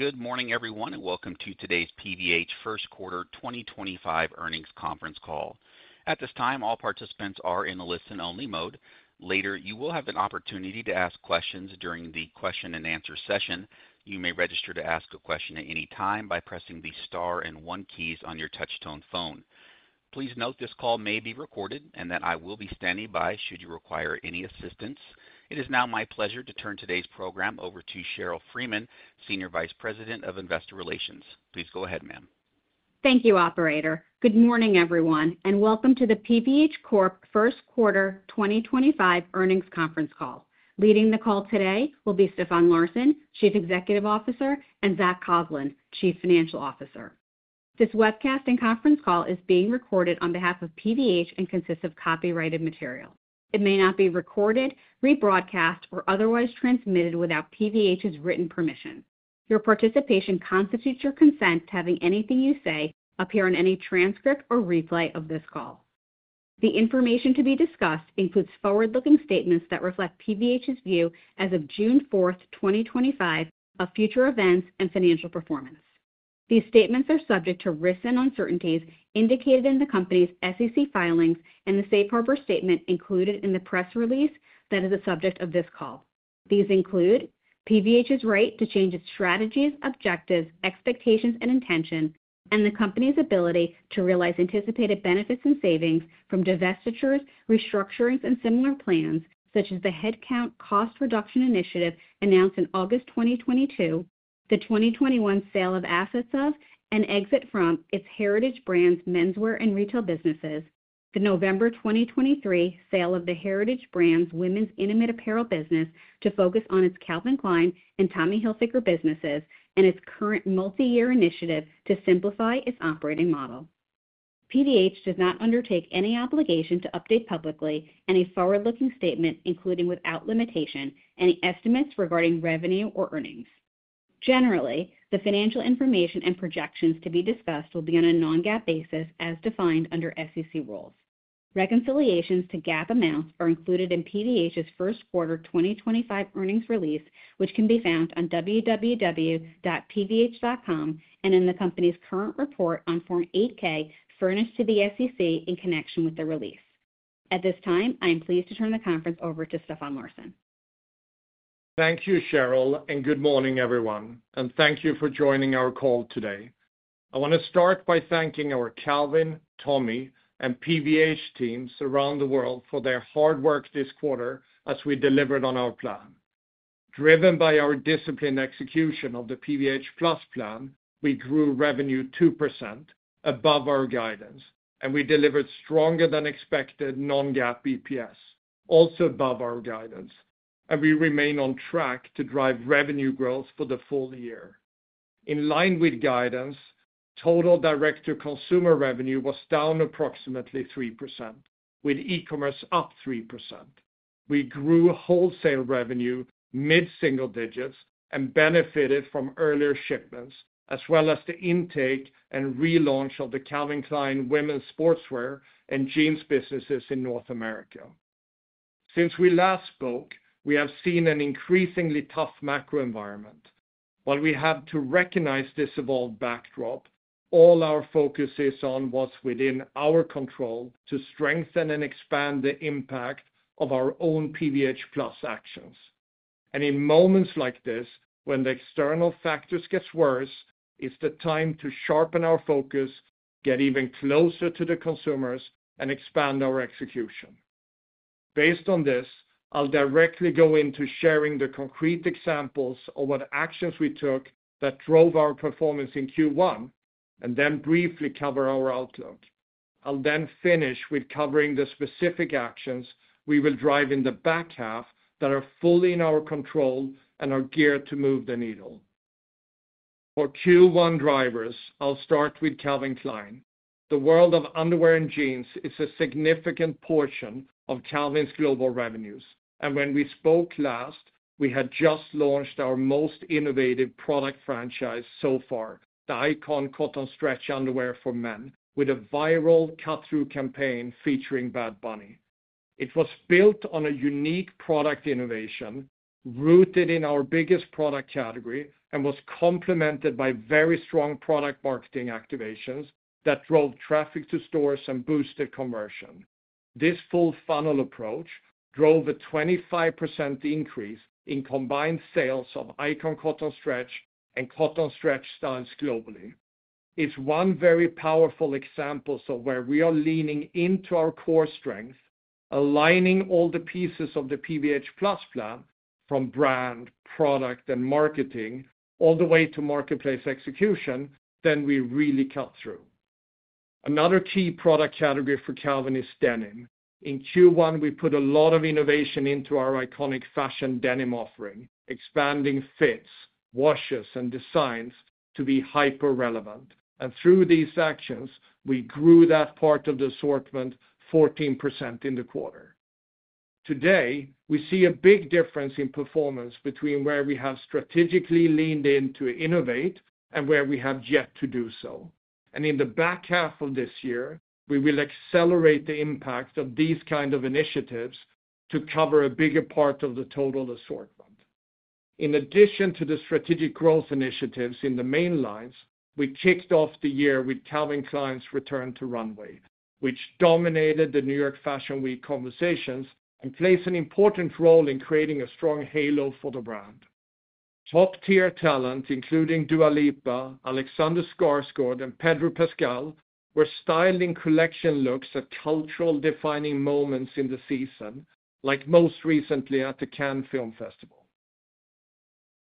Good morning, everyone, and welcome to Today's PVH first-quarter 2025 earnings conference call. At this time, all participants are in a listen-only mode. Later, you will have an opportunity to ask questions during the question-and-answer session. You may register to ask a question at any time by pressing the star and one keys on your touch-tone phone. Please note this call may be recorded and that I will be standing by should you require any assistance. It is now my pleasure to turn today's program over to Sheryl Freeman, Senior Vice President of Investor Relations. Please go ahead, ma'am. Thank you, Operator. Good morning, everyone, and welcome to the PVH first quarter 2025 earnings conference call. Leading the call today will be Stefan Larsson, Chief Executive Officer; and Zac Coughlin, Chief Financial Officer. This webcast and conference call is being recorded on behalf of PVH and consists of copyrighted material. It may not be recorded, rebroadcast, or otherwise transmitted without PVH's written permission. Your participation constitutes your consent to having anything you say appear in any transcript or replay of this call. The information to be discussed includes forward-looking statements that reflect PVH's view as of June 4th, 2025, of future events and financial performance. These statements are subject to risks and uncertainties indicated in the company's SEC filings and the safe harbor statement included in the press release that is the subject of this call. These include PVH's right to change its strategies, objectives, expectations, and intention, and the company's ability to realize anticipated benefits and savings from divestitures, restructurings, and similar plans such as the headcount cost reduction initiative announced in August 2022, the 2021 sale of assets of and exit from its Heritage Brands menswear and retail businesses, the November 2023 sale of the Heritage Brands women's intimate apparel business to focus on its Calvin Klein and Tommy Hilfiger businesses, and its current multi-year initiative to simplify its operating model. PVH does not undertake any obligation to update publicly any forward-looking statement, including without limitation, any estimates regarding revenue or earnings. Generally, the financial information and projections to be discussed will be on a non-GAAP basis as defined under SEC rules. Reconciliations to GAAP amounts are included in PVH's First-Quarter 2025 Earnings Release, which can be found on www.pvh.com and in the company's current report on Form 8-K furnished to the SEC in connection with the release. At this time, I am pleased to turn the conference over to Stefan Larsson. Thank you, Sheryl, and good morning, everyone, and thank you for joining our call today. I want to start by thanking our Calvin, Tommy, and PVH teams around the world for their hard work this quarter as we delivered on our plan. Driven by our disciplined execution of the PVH+ Plan, we grew revenue 2% above our guidance, and we delivered stronger-than-expected non-GAAP EPS, also above our guidance, and we remain on track to drive revenue growth for the full year. In line with guidance, total direct-to-consumer revenue was down approximately 3%, with e-commerce up 3%. We grew wholesale revenue mid-single digits and benefited from earlier shipments, as well as the intake and relaunch of the Calvin Klein women's sportswear and jeans businesses in North America. Since we last spoke, we have seen an increasingly tough macro environment. While we have to recognize this evolved backdrop, all our focus is on what's within our control to strengthen and expand the impact of our own PVH+ actions. In moments like this, when the external factors get worse, it's the time to sharpen our focus, get even closer to the consumers, and expand our execution. Based on this, I'll directly go into sharing the concrete examples of what actions we took that drove our performance in Q1 and then briefly cover our outlook. I'll then finish with covering the specific actions we will drive in the back-half that are fully in our control and are geared to move the needle. For Q1 drivers, I'll start with Calvin Klein. The world of underwear and jeans is a significant portion of Calvin's global revenues, and when we spoke last, we had just launched our most innovative product franchise so far, the Icon Cotton Stretch Underwear for Men, with a viral cut-through campaign featuring Bad Bunny. It was built on a unique product innovation rooted in our biggest product category and was complemented by very strong product marketing activations that drove traffic to stores and boosted conversion. This full-funnel approach drove a 25% increase in combined sales of Icon Cotton Stretch and Cotton Stretch styles globally. It's one very powerful example of where we are leaning into our core strength, aligning all the pieces of the PVH Plus plan from brand, product, and marketing all the way to marketplace execution, then we really cut through. Another key product category for Calvin is denim. In Q1, we put a lot of innovation into our iconic fashion denim offering, expanding fits, washes, and designs to be hyper-relevant, and through these actions, we grew that part of the assortment 14% in the quarter. Today, we see a big difference in performance between where we have strategically leaned in to innovate and where we have yet to do so. In the back half of this year, we will accelerate the impact of these kinds of initiatives to cover a bigger part of the total assortment. In addition to the strategic growth initiatives in the main lines, we kicked off the year with Calvin Klein's return to runway, which dominated the New York Fashion Week conversations and plays an important role in creating a strong halo for the brand. Top-tier talent, including Dua Lipa, Alexander Skarsgård, and Pedro Pascal, were styling collection looks at cultural-defining moments in the season, like most recently at the Cannes Film Festival.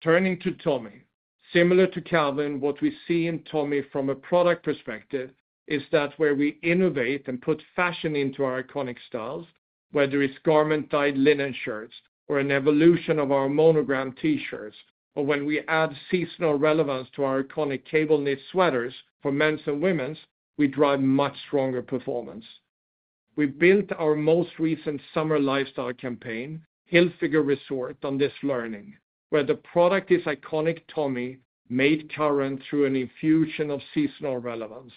Turning to Tommy, similar to Calvin, what we see in Tommy from a product perspective is that where we innovate and put fashion into our iconic styles, whether it is garment-dyed linen shirts or an evolution of our monogram T-shirts, or when we add seasonal relevance to our iconic cable-knit sweaters for men's and women's, we drive much stronger performance. We built our most recent summer lifestyle campaign, Hilfiger Resort, on this learning, where the product is iconic Tommy, made current through an infusion of seasonal relevance,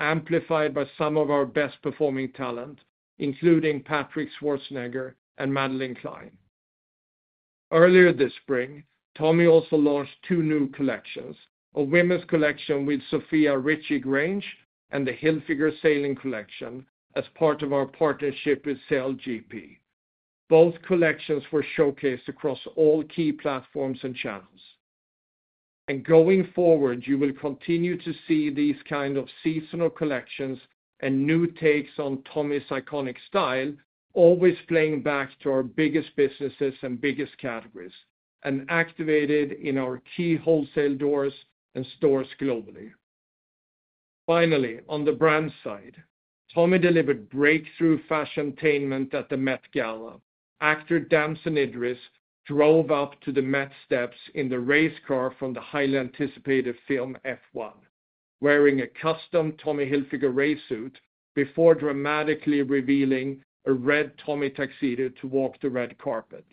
amplified by some of our best-performing talent, including Patrick Schwarzenegger and Madelyn Cline. Earlier this spring, Tommy also launched two new collections, a women's collection with Sofia Richie Grainge and the Hilfiger Sailing Collection as part of our partnership with SailGP. Both collections were showcased across all key platforms and channels. Going forward, you will continue to see these kinds of seasonal collections and new takes on Tommy's iconic style, always playing back to our biggest businesses and biggest categories, and activated in our key wholesale doors and stores globally. Finally, on the brand side, Tommy delivered breakthrough fashion attainment at the Met Gala. Actor Damson Idris drove up to the Met steps in the race car from the highly anticipated film F1, wearing a custom Tommy Hilfiger race suit before dramatically revealing a red Tommy tuxedo to walk the red carpet.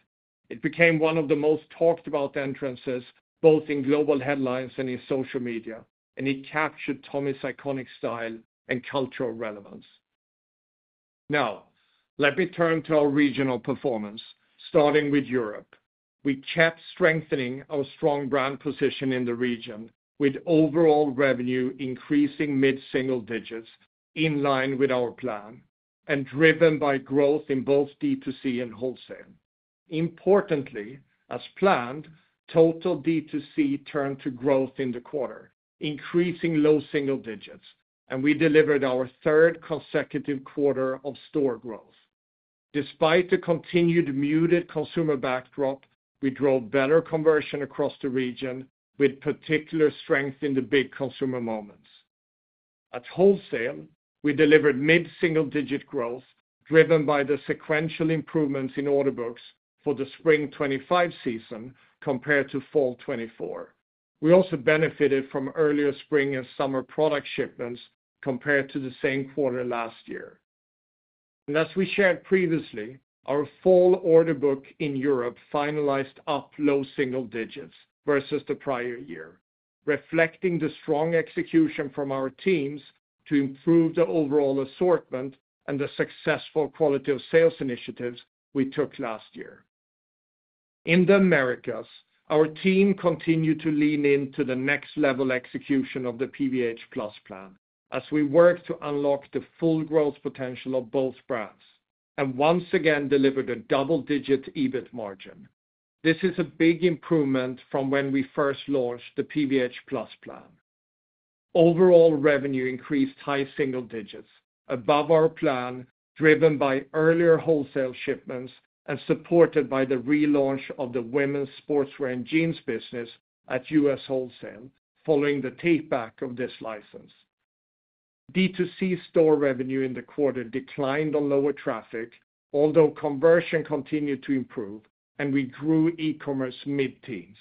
It became one of the most talked-about entrances, both in global headlines and in social media, and it captured Tommy's iconic style and cultural relevance. Now, let me turn to our regional performance, starting with Europe. We kept strengthening our strong brand position in the region, with overall revenue increasing mid-single digits in line with our plan and driven by growth in both D2C and wholesale. Importantly, as planned, total D2C turned to growth in the quarter, increasing low single digits, and we delivered our third consecutive quarter of store growth. Despite the continued muted consumer backdrop, we drove better conversion across the region, with particular strength in the big consumer moments. At wholesale, we delivered mid-single digit growth driven by the sequential improvements in order books for the spring 2025 season compared to fall 2024. We also benefited from earlier spring and summer product shipments compared to the same quarter last year. As we shared previously, our fall order book in Europe finalized up low single digits versus the prior year, reflecting the strong execution from our teams to improve the overall assortment and the successful quality of sales initiatives we took last year. In the Americas, our team continued to lean into the next-level execution of the PVH+ Plan as we worked to unlock the full growth potential of both brands and once again delivered a double-digit EBIT margin. This is a big improvement from when we first launched the PVH+ Plan. Overall revenue increased high single digits, above our plan, driven by earlier wholesale shipments and supported by the relaunch of the women's sportswear and jeans business at US Wholesale following the takeback of this license. D2C store revenue in the quarter declined on lower traffic, although conversion continued to improve, and we grew e-commerce mid-teens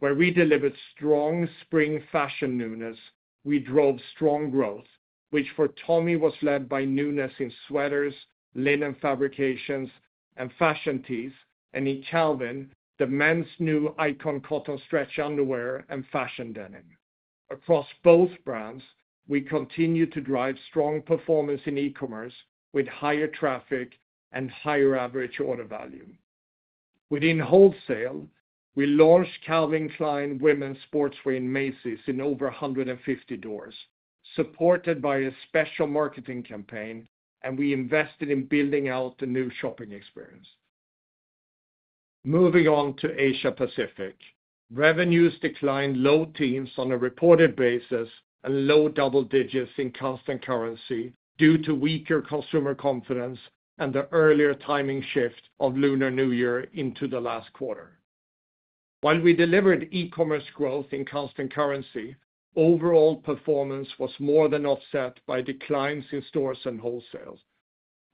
where we delivered strong spring fashion newness, we drove strong growth, which for Tommy was led by newness in sweaters, linen fabrications, and fashion tees, and in Calvin, the men's new Icon Cotton Stretch Underwear and fashion denim. Across both brands, we continue to drive strong performance in e-commerce with higher traffic and higher average order value. Within wholesale, we launched Calvin Klein Women's Sportswear in Macy's in over 150 doors, supported by a special marketing campaign, and we invested in building out the new shopping experience. Moving on to Asia-Pacific, revenues declined low teens on a reported basis and low double digits in constant currency due to weaker consumer confidence and the earlier timing shift of Lunar New Year into the last quarter. While we delivered e-commerce growth in constant currency, overall performance was more than offset by declines in stores and wholesale.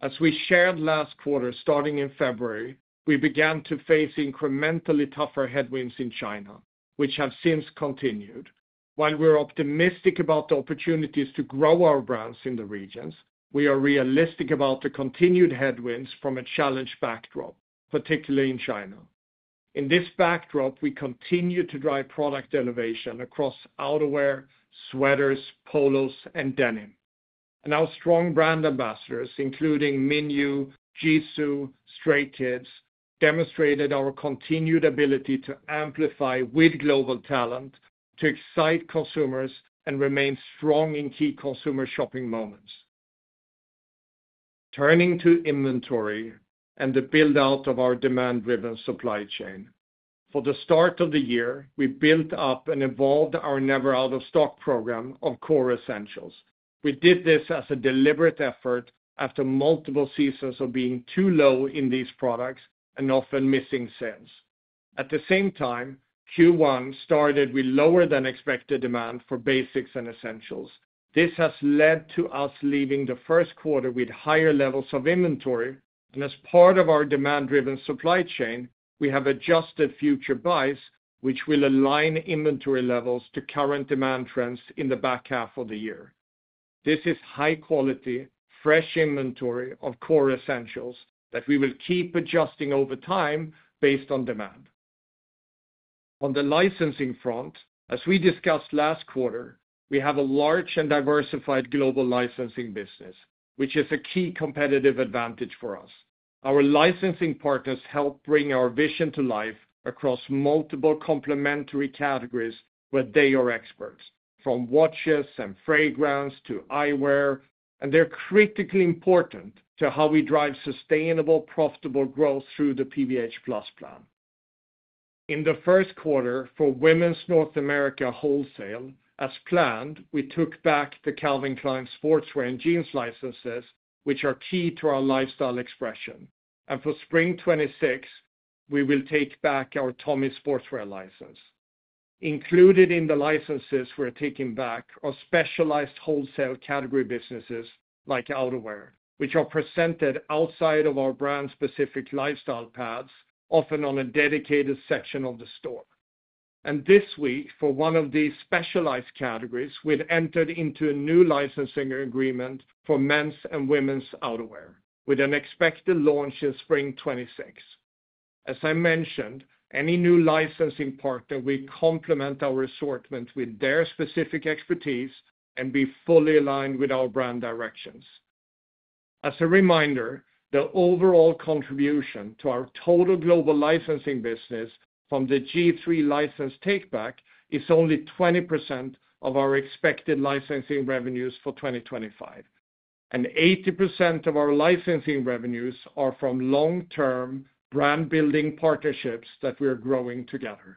As we shared last quarter, starting in February, we began to face incrementally tougher headwinds in China, which have since continued. While we're optimistic about the opportunities to grow our brands in the regions, we are realistic about the continued headwinds from a challenged backdrop, particularly in China. In this backdrop, we continue to drive product elevation across outerwear, sweaters, polos, and denim. Our strong brand ambassadors, including Min Yoo, Ji Soo, Stray Kids, demonstrated our continued ability to amplify with global talent to excite consumers and remain strong in key consumer shopping moments. Turning to inventory and the build-out of our demand-driven supply chain. For the start of the year, we built up and evolved our never-out-of-stock program of core essentials. We did this as a deliberate effort after multiple seasons of being too low in these products and often missing sales. At the same time, Q1 started with lower-than-expected demand for basics and essentials. This has led to us leaving the first quarter with higher levels of inventory, and as part of our demand-driven supply chain, we have adjusted future buys, which will align inventory levels to current demand trends in the back half of the year. This is high-quality, fresh inventory of core essentials that we will keep adjusting over time based on demand. On the licensing front, as we discussed last quarter, we have a large and diversified global licensing business, which is a key competitive advantage for us. Our licensing partners help bring our vision to life across multiple complementary categories where they are experts, from watches and fragrance to eyewear, and they are critically important to how we drive sustainable, profitable growth through the PVH+ Plan. In the first quarter, for women's North America wholesale, as planned, we took back the Calvin Klein Sportswear and Jeans licenses, which are key to our lifestyle expression. For spring 2026, we will take back our Tommy Sportswear license. Included in the licenses we are taking back are specialized wholesale category businesses like outerwear, which are presented outside of our brand-specific lifestyle paths, often on a dedicated section of the store. This week, for one of these specialized categories, we have entered into a new licensing agreement for men's and women's outerwear, with an expected launch in spring 2026. As I mentioned, any new licensing partner will complement our assortment with their specific expertise and be fully aligned with our brand directions. As a reminder, the overall contribution to our total global licensing business from the G-III license takeback is only 20% of our expected licensing revenues for 2025, and 80% of our licensing revenues are from long-term brand-building partnerships that we are growing together.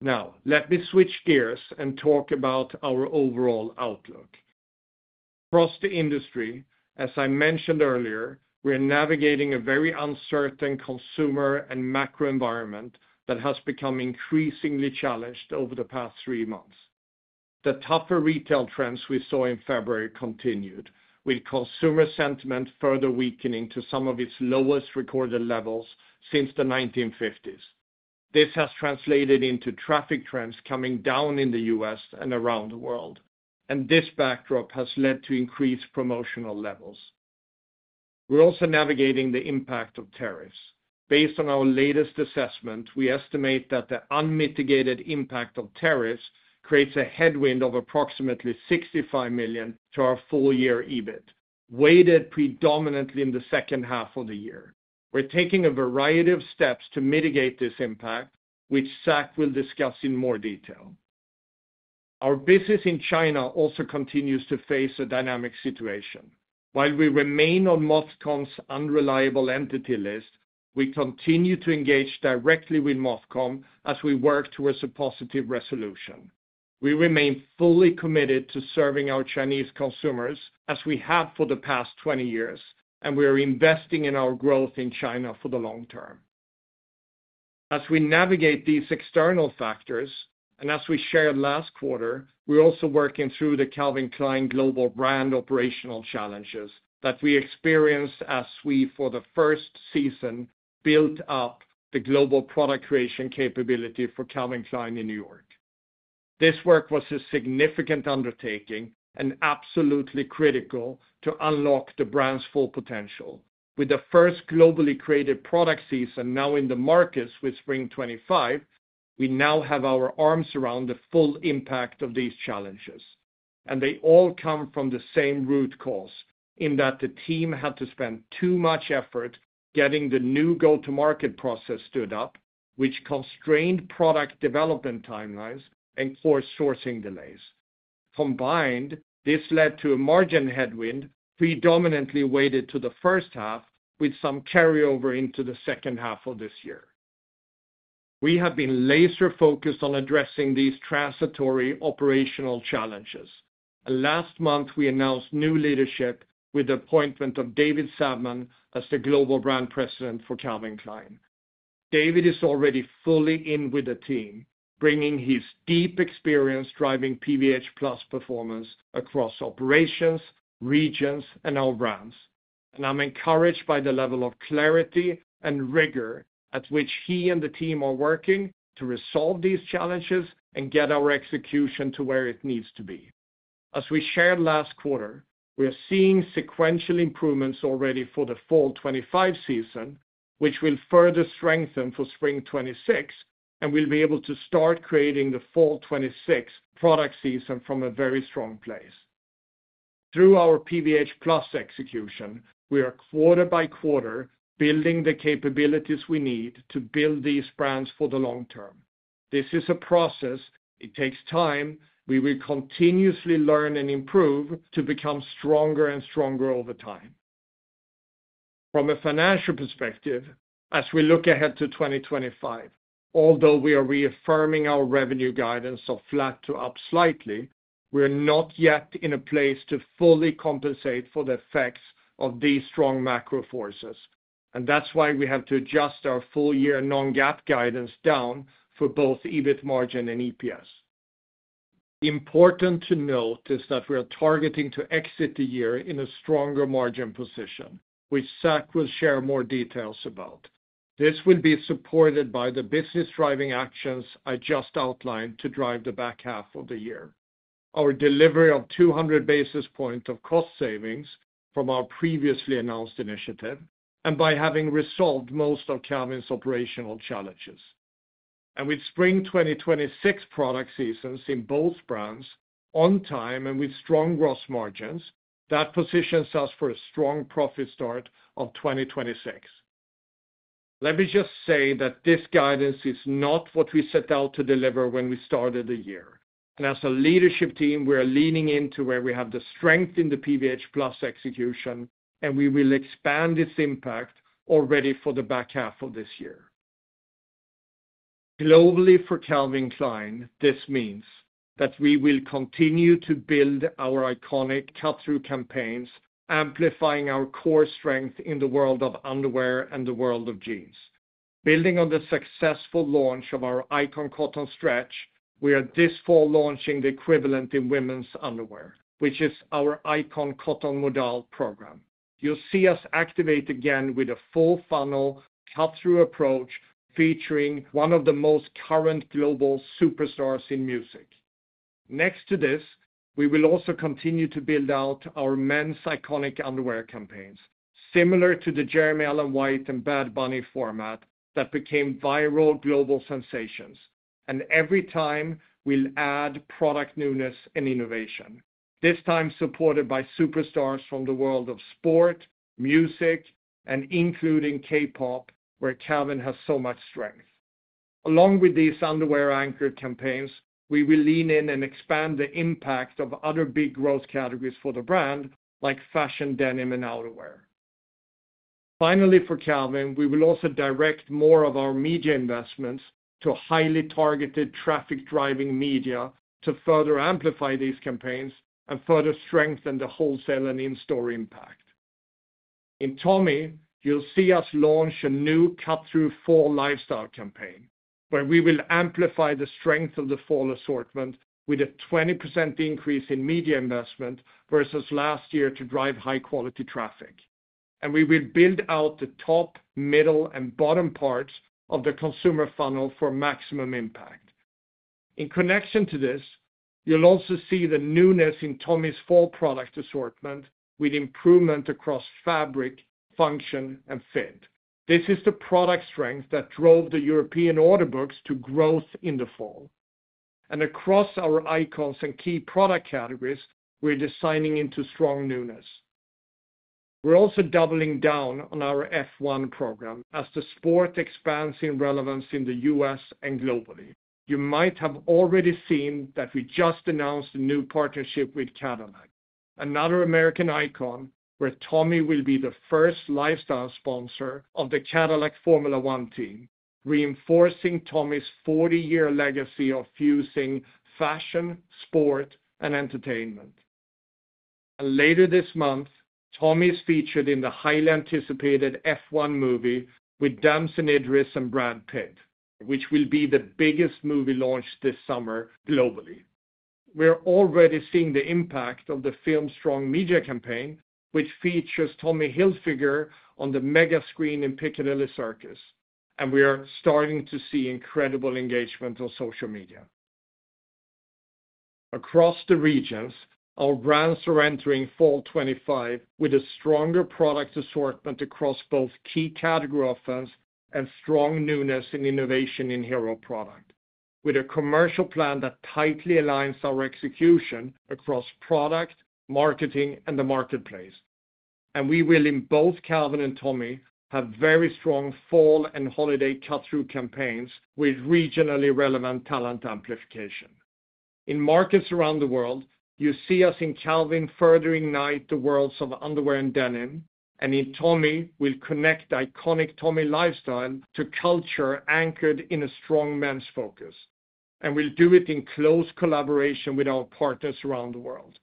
Now, let me switch gears and talk about our overall outlook. Across the industry, as I mentioned earlier, we're navigating a very uncertain consumer and macro environment that has become increasingly challenged over the past three months. The tougher retail trends we saw in February continued, with consumer sentiment further weakening to some of its lowest recorded levels since the 1950s This has translated into traffic trends coming down in the U.S. and around the world, and this backdrop has led to increased promotional levels. We're also navigating the impact of tariffs. Based on our latest assessment, we estimate that the unmitigated impact of tariffs creates a headwind of approximately $65 million to our full-year EBIT, weighted predominantly in the second half of the year. We're taking a variety of steps to mitigate this impact, which Zac will discuss in more detail. Our business in China also continues to face a dynamic situation. While we remain on Mofcom's unreliable entity list, we continue to engage directly with Mofcom as we work towards a positive resolution. We remain fully committed to serving our Chinese consumers as we have for the past 20 years, and we are investing in our growth in China for the long term. As we navigate these external factors, and as we shared last quarter, we're also working through the Calvin Klein global brand operational challenges that we experienced as we, for the first season, built up the global product creation capability for Calvin Klein in New York. This work was a significant undertaking and absolutely critical to unlock the brand's full potential. With the first globally created product season now in the markets with spring 2025, we now have our arms around the full impact of these challenges. They all come from the same root cause in that the team had to spend too much effort getting the new go-to-market process stood up, which constrained product development timelines and caused sourcing delays. Combined, this led to a margin headwind predominantly weighted to the first half, with some carryover into the second half of this year. We have been laser-focused on addressing these transitory operational challenges. Last month, we announced new leadership with the appointment of David Savman as the global brand president for Calvin Klein. David is already fully in with the team, bringing his deep experience driving PVH+ performance across operations, regions, and our brands. I am encouraged by the level of clarity and rigor at which he and the team are working to resolve these challenges and get our execution to where it needs to be. As we shared last quarter, we are seeing sequential improvements already for the fall 2025 season, which will further strengthen for spring 2026, and we will be able to start creating the fall 2026 product season from a very strong place. Through our PVH+ execution, we are quarter by quarter building the capabilities we need to build these brands for the long term. This is a process; it takes time. We will continuously learn and improve to become stronger and stronger over time. From a financial perspective, as we look ahead to 2025, although we are reaffirming our revenue guidance of flat to up slightly, we are not yet in a place to fully compensate for the effects of these strong macro forces. That is why we have to adjust our full-year non-GAAP guidance down for both EBIT margin and EPS. Important to note is that we are targeting to exit the year in a stronger margin position, which Zac will share more details about. This will be supported by the business-driving actions I just outlined to drive the back half of the year, our delivery of 200 basis points of cost savings from our previously announced initiative, and by having resolved most of Calvin's operational challenges. With spring 2026 product seasons in both brands on time and with strong gross margins, that positions us for a strong profit start of 2026. Let me just say that this guidance is not what we set out to deliver when we started the year. As a leadership team, we are leaning into where we have the strength in the PVH+ execution, and we will expand its impact already for the back half of this year. Globally for Calvin Klein, this means that we will continue to build our iconic cut-through campaigns, amplifying our core strength in the world of underwear and the world of jeans. Building on the successful launch of our Icon Cotton Stretch, we are this fall launching the equivalent in women's underwear, which is our Icon Cotton Modal Program. You'll see us activate again with a full-funnel cut-through approach featuring one of the most current global superstars in music. Next to this, we will also continue to build out our men's iconic underwear campaigns, similar to the Jeremy Allen White and Bad Bunny format that became viral global sensations. Every time, we'll add product newness and innovation, this time supported by superstars from the world of sport, music, and including K-pop, where Calvin has so much strength. Along with these underwear-anchored campaigns, we will lean in and expand the impact of other big growth categories for the brand, like fashion denim and outerwear. Finally, for Calvin, we will also direct more of our media investments to highly targeted traffic-driving media to further amplify these campaigns and further strengthen the wholesale and in-store impact. In Tommy, you'll see us launch a new cut-through fall lifestyle campaign, where we will amplify the strength of the fall assortment with a 20% increase in media investment versus last year to drive high-quality traffic. We will build out the top, middle, and bottom parts of the consumer funnel for maximum impact. In connection to this, you'll also see the newness in Tommy's fall product assortment with improvement across fabric, function, and fit. This is the product strength that drove the European order books to growth in the fall. Across our icons and key product categories, we're designing into strong newness. We're also doubling down on our F1 program as the sport expands in relevance in the U.S. and globally. You might have already seen that we just announced a new partnership with Cadillac, another American icon, where Tommy will be the first lifestyle sponsor of the Cadillac Formula `1 team, reinforcing Tommy's 40-year legacy of fusing fashion, sport, and entertainment. Later this month, Tommy is featured in the highly anticipated F1 movie with Damson Idris and Brad Pitt, which will be the biggest movie launched this summer globally. We are already seeing the impact of the film's strong media campaign, which features Tommy Hilfiger on the mega screen in Piccadilly Circus. We are starting to see incredible engagement on social media. Across the regions, our brands are entering fall 2025 with a stronger product assortment across both key category offense and strong newness and innovation in hero product, with a commercial plan that tightly aligns our execution across product, marketing, and the marketplace. We will, in both Calvin and Tommy, have very strong fall and holiday cut-through campaigns with regionally relevant talent amplification. In markets around the world, you see us in Calvin further ignite the worlds of underwear and denim, and in Tommy, we'll connect iconic Tommy lifestyle to culture anchored in a strong men's focus. We will do it in close collaboration with our partners around the world.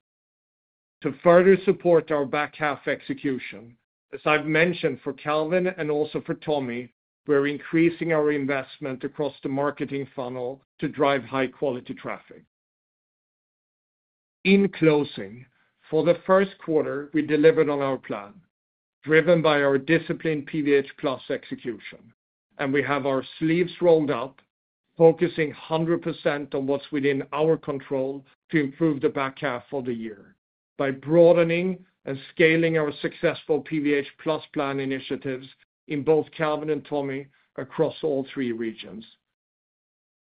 To further support our back-half execution, as I've mentioned for Calvin and also for Tommy, we're increasing our investment across the marketing funnel to drive high-quality traffic. In closing, for the first quarter, we delivered on our plan, driven by our disciplined PVH+ execution. We have our sleeves rolled up, focusing 100% on what's within our control to improve the back half of the year by broadening and scaling our successful PVH+ Plan initiatives in both Calvin and Tommy across all three regions.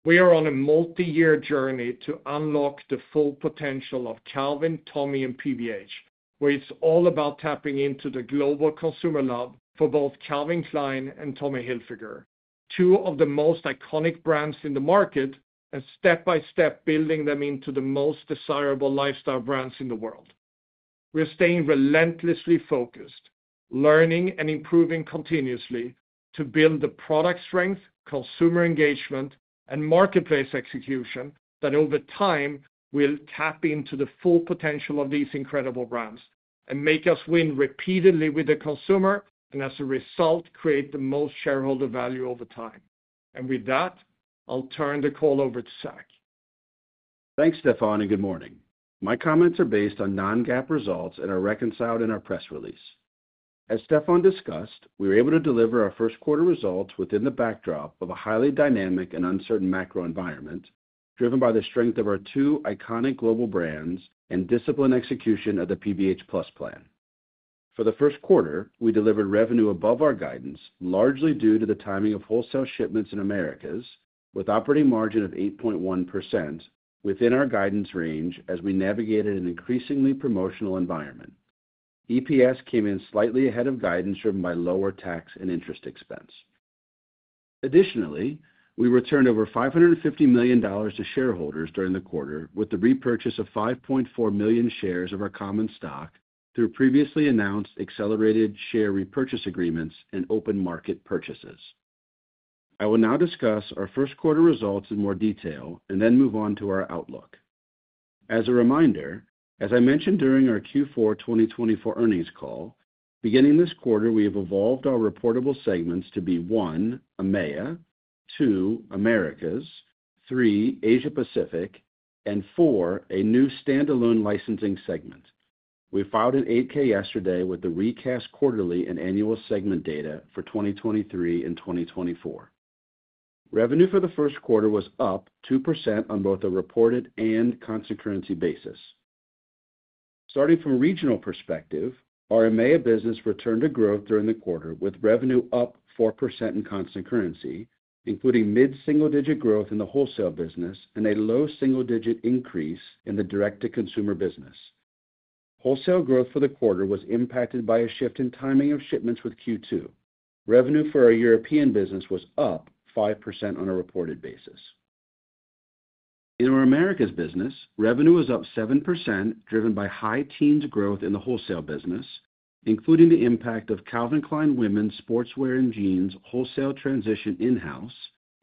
We are on a multi-year journey to unlock the full potential of Calvin, Tommy, and PVH, where it's all about tapping into the global consumer love for both Calvin Klein and Tommy Hilfiger, two of the most iconic brands in the market, and step by step, building them into the most desirable lifestyle brands in the world. We're staying relentlessly focused, learning, and improving continuously to build the product strength, consumer engagement, and marketplace execution that over time will tap into the full potential of these incredible brands and make us win repeatedly with the consumer, and as a result, create the most shareholder value over time. With that, I'll turn the call over to Zac. Thanks, Stefan, and good morning. My comments are based on non-GAAP results and are reconciled in our press release. As Stefan discussed, we were able to deliver our first quarter results within the backdrop of a highly dynamic and uncertain macro environment, driven by the strength of our two iconic global brands and disciplined execution of the PVH+ Plan. For the first quarter, we delivered revenue above our guidance, largely due to the timing of wholesale shipments in Americas, with operating margin of 8.1% within our guidance range as we navigated an increasingly promotional environment. EPS came in slightly ahead of guidance driven by lower tax and interest expense. Additionally, we returned over $550 million to shareholders during the quarter with the repurchase of 5.4 million shares of our common stock through previously announced accelerated share repurchase agreements and open market purchases. I will now discuss our first quarter results in more detail and then move on to our outlook. As a reminder, as I mentioned during our Q4 2024 earnings call, beginning this quarter, we have evolved our reportable segments to be one, AMEA; two, Americas; three, Asia-Pacific; and four, a new standalone licensing segment. We filed an 8-K yesterday with the recast quarterly and annual segment data for 2023 and 2024. Revenue for the first quarter was up 2% on both a reported and constant currency basis. Starting from a regional perspective, our AMEA business returned to growth during the quarter with revenue up 4% in constant currency, including mid single-digit growth in the wholesale business and a low single-digit increase in the direct-to-consumer business. Wholesale growth for the quarter was impacted by a shift in timing of shipments with Q2. Revenue for our European business was up 5% on a reported basis. In our Americas business, revenue was up 7%, driven by high-teens growth in the wholesale business, including the impact of Calvin Klein women's sportswear and jeans wholesale transition in-house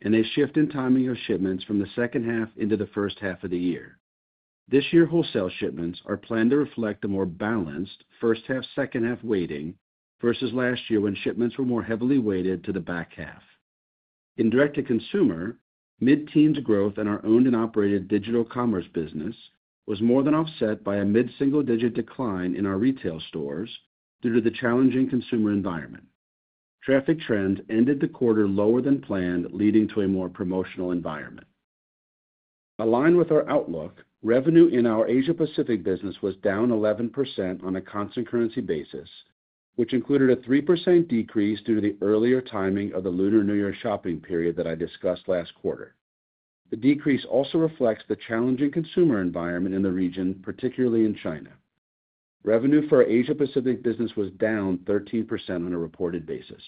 and a shift in timing of shipments from the second half into the first half of the year. This year, wholesale shipments are planned to reflect a more balanced first-half, second-half weighting versus last year when shipments were more heavily weighted to the back half. In direct-to-consumer, mid-teens growth in our owned and operated digital commerce business was more than offset by a mid single-digit decline in our retail stores due to the challenging consumer environment. Traffic trends ended the quarter lower than planned, leading to a more promotional environment. Aligned with our outlook, revenue in our Asia-Pacific business was down 11% on a constant currency basis, which included a 3% decrease due to the earlier timing of the Lunar New Year shopping period that I discussed last quarter. The decrease also reflects the challenging consumer environment in the region, particularly in China. Revenue for our Asia-Pacific business was down 13% on a reported basis.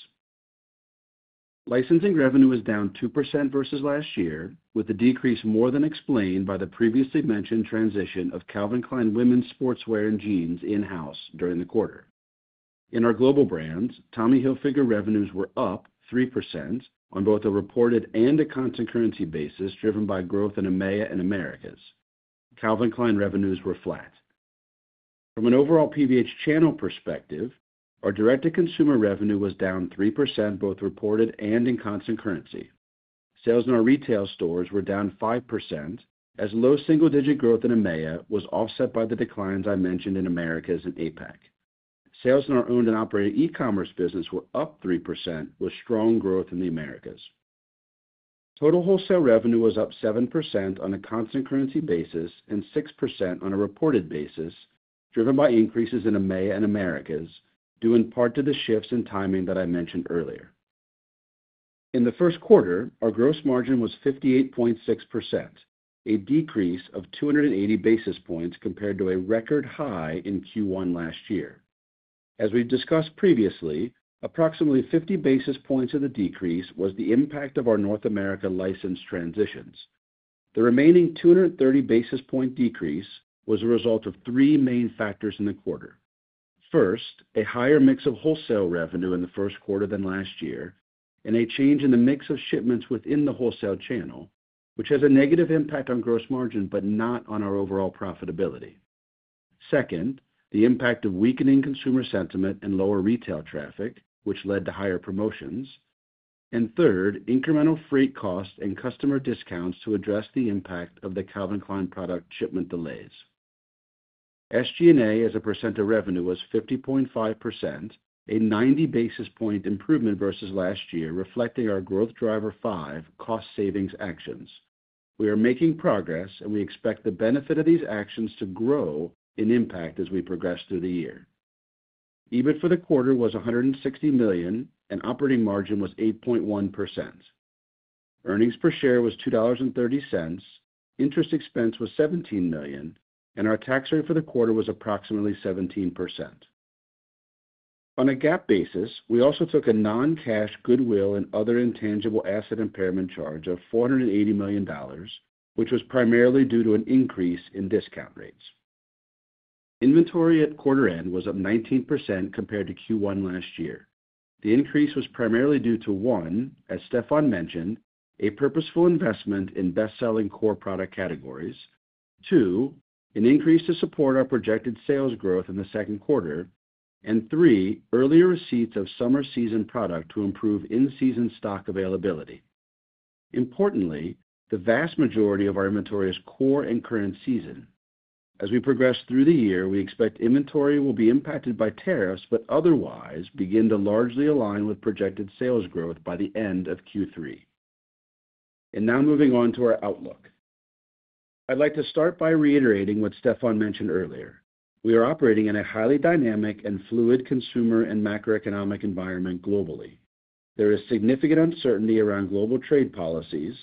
Licensing revenue was down 2% versus last year, with the decrease more than explained by the previously mentioned transition of Calvin Klein women's sportswear and jeans in-house during the quarter. In our global brands, Tommy Hilfiger revenues were up 3% on both a reported and a constant currency basis, driven by growth in AMEA and Americas. Calvin Klein revenues were flat. From an overall PVH channel perspective, our direct-to-consumer revenue was down 3% both reported and in constant currency. Sales in our retail stores were down 5%, as low single-digit growth in AMEA was offset by the declines I mentioned in Americas and APAC. Sales in our owned and operated e-commerce business were up 3%, with strong growth in the Americas. Total wholesale revenue was up 7% on a constant currency basis and 6% on a reported basis, driven by increases in AMEA and Americas, due in part to the shifts in timing that I mentioned earlier. In the first quarter, our gross margin was 58.6%, a decrease of 280 basis points compared to a record high in Q1 last year. As we've discussed previously, approximately 50 basis points of the decrease was the impact of our North America license transitions. The remaining 230 basis point decrease was a result of three main factors in the quarter. First, a higher mix of wholesale revenue in the first quarter than last year, and a change in the mix of shipments within the wholesale channel, which has a negative impact on gross margin but not on our overall profitability. Second, the impact of weakening consumer sentiment and lower retail traffic, which led to higher promotions. Third, incremental freight costs and customer discounts to address the impact of the Calvin Klein product shipment delays. SG&A as a percent of revenue was 50.5%, a 90 basis-point improvement versus last year, reflecting our growth [Driver 5] cost-savings actions. We are making progress, and we expect the benefit of these actions to grow in impact as we progress through the year. EBIT for the quarter was $160 million, and operating margin was 8.1%. Earnings per share was $2.30, interest expense was $17 million, and our tax rate for the quarter was approximately 17%. On a GAAP basis, we also took a non-cash goodwill and other intangible asset impairment charge of $480 million, which was primarily due to an increase in discount rates. Inventory at quarter end was up 19% compared to Q1 last year. The increase was primarily due to, one, as Stefan mentioned, a purposeful investment in best-selling core product categories; two, an increase to support our projected sales growth in the second quarter; and three, earlier receipts of summer season product to improve in-season stock availability. Importantly, the vast majority of our inventory is core and current season. As we progress through the year, we expect inventory will be impacted by tariffs, but otherwise begin to largely align with projected sales growth by the end of Q3. Now moving on to our outlook. I'd like to start by reiterating what Stefan mentioned earlier. We are operating in a highly dynamic and fluid consumer and macroeconomic environment globally. There is significant uncertainty around global trade policies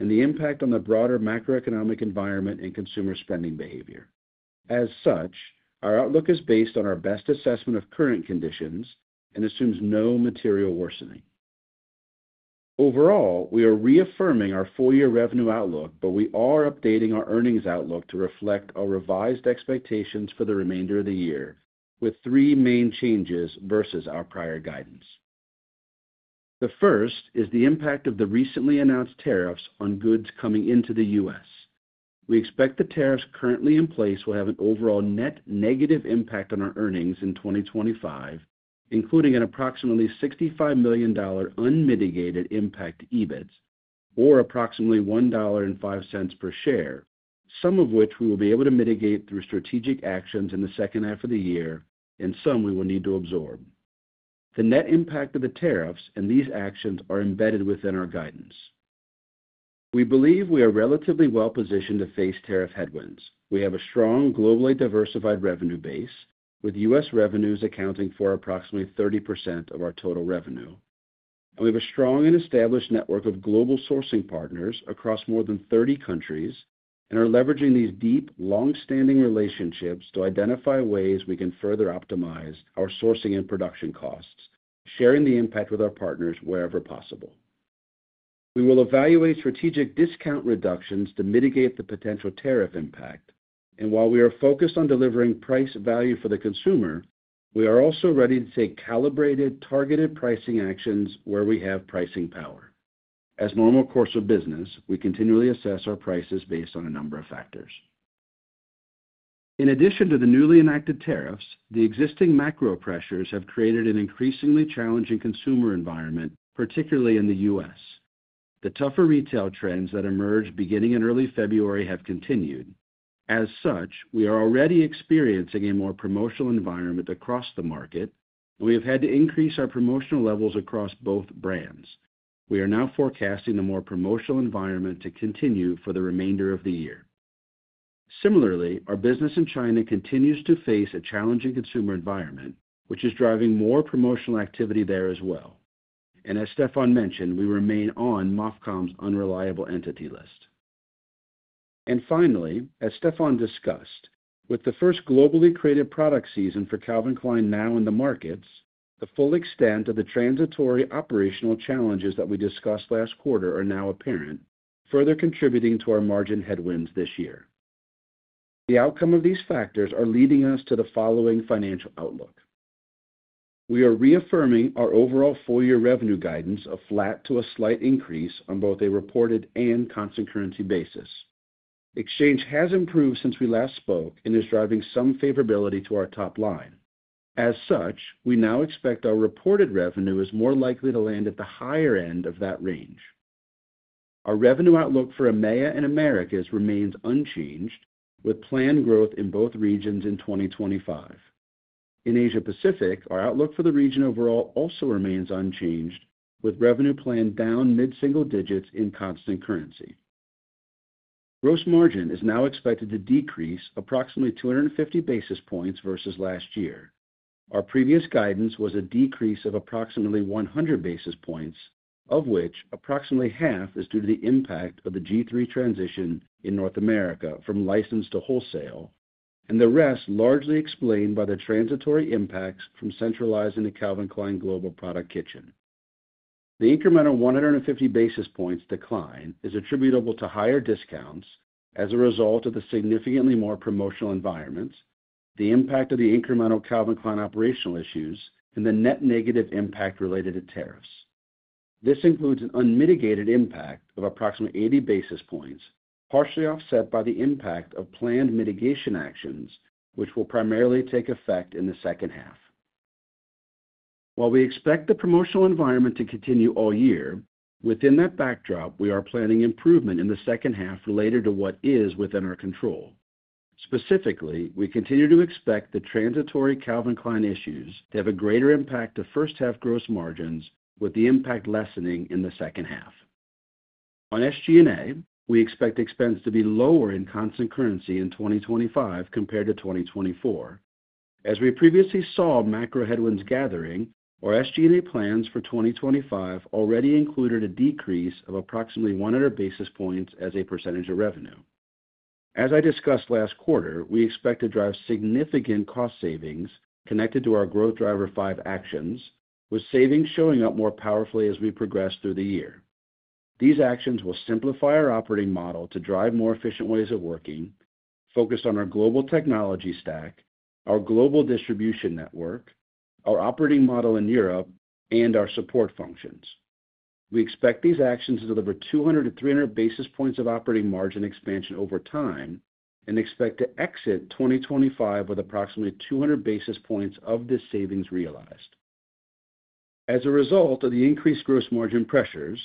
and the impact on the broader macroeconomic environment and consumer spending behavior. As such, our outlook is based on our best assessment of current conditions and assumes no material worsening. Overall, we are reaffirming our four-year revenue outlook, but we are updating our earnings outlook to reflect our revised expectations for the remainder of the year with three main changes versus our prior guidance. The first is the impact of the recently announced tariffs on goods coming into the U.S. We expect the tariffs currently in place will have an overall net negative impact on our earnings in 2025, including an approximately $65 million unmitigated-impact EBIT, or approximately $1.05 per share, some of which we will be able to mitigate through strategic actions in the second half of the year, and some we will need to absorb. The net impact of the tariffs and these actions are embedded within our guidance. We believe we are relatively well-positioned to face tariff headwinds. We have a strong, globally diversified revenue base, with U.S. revenues accounting for approximately 30% of our total revenue. We have a strong and established network of global sourcing partners across more than 30 countries and are leveraging these deep, long-standing relationships to identify ways we can further optimize our sourcing and production costs, sharing the impact with our partners wherever possible. We will evaluate strategic discount reductions to mitigate the potential tariff impact. While we are focused on delivering price value for the consumer, we are also ready to take calibrated, targeted pricing actions where we have pricing power. As a normal course of business, we continually assess our prices based on a number of factors. In addition to the newly enacted tariffs, the existing macro pressures have created an increasingly challenging consumer environment, particularly in the U.S. The tougher retail trends that emerged beginning in early February have continued. As such, we are already experiencing a more promotional environment across the market, and we have had to increase our promotional levels across both brands. We are now forecasting a more promotional environment to continue for the remainder of the year. Similarly, our business in China continues to face a challenging consumer environment, which is driving more promotional activity there as well. As Stefan mentioned, we remain on Mofcom's unreliable entity list. Finally, as Stefan discussed, with the first globally created product season for Calvin Klein now in the markets, the full extent of the transitory operational challenges that we discussed last quarter are now apparent, further contributing to our margin headwinds this year. The outcome of these factors is leading us to the following financial outlook. We are reaffirming our overall four-year revenue guidance of flat to a slight increase on both a reported and constant currency basis. Exchange has improved since we last spoke and is driving some favorability to our top line. As such, we now expect our reported revenue is more likely to land at the higher end of that range. Our revenue outlook for AMEA and Americas remains unchanged, with planned growth in both regions in 2025. In Asia-Pacific, our outlook for the region overall also remains unchanged, with revenue planned down mid-single digits in constant currency. Gross margin is now expected to decrease approximately 250 basis points versus last year. Our previous guidance was a decrease of approximately 100 basis points, of which approximately half is due to the impact of the G-III transition in North America from licensed to wholesale, and the rest largely explained by the transitory impacts from centralizing the Calvin Klein global product kitchen. The incremental 150-basis-points decline is attributable to higher discounts as a result of the significantly more promotional environments, the impact of the incremental Calvin Klein operational issues, and the net-negative impact related to tariffs. This includes an unmitigated impact of approximately 80 basis points, partially offset by the impact of planned mitigation actions, which will primarily take effect in the second half. While we expect the promotional environment to continue all year, within that backdrop, we are planning improvement in the second half related to what is within our control. Specifically, we continue to expect the transitory Calvin Klein issues to have a greater impact to first-half gross margins, with the impact lessening in the second half. On SG&A, we expect expenses to be lower in constant currency in 2025 compared to 2024. As we previously saw macro headwinds gathering, our SG&A plans for 2025 already included a decrease of approximately 100 basis points as a percentage of revenue. As I discussed last quarter, we expect to drive significant cost savings connected to our growth [Driver 5] actions, with savings showing up more powerfully as we progress through the year. These actions will simplify our operating model to drive more efficient ways of working, focused on our global technology stack, our global distribution network, our operating model in Europe, and our support functions. We expect these actions to deliver 200-300 basis points of operating margin expansion over time and expect to exit 2025 with approximately 200 basis points of the savings realized. As a result of the increased gross margin pressures,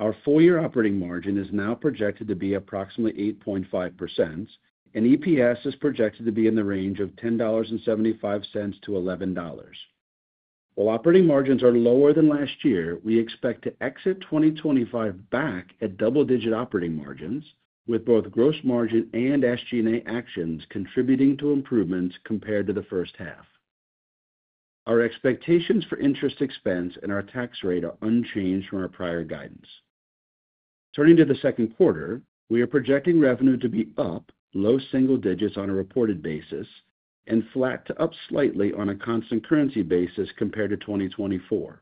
our four-year operating margin is now projected to be approximately 8.5%, and EPS is projected to be in the range of $10.75-$11. While operating margins are lower than last year, we expect to exit 2025 back at double-digit operating margins, with both gross margin and SG&A actions contributing to improvements compared to the first half. Our expectations for interest expense and our tax rate are unchanged from our prior guidance. Turning to the second quarter, we are projecting revenue to be up, low single digits on a reported basis, and flat to up slightly on a constant currency basis compared to 2024.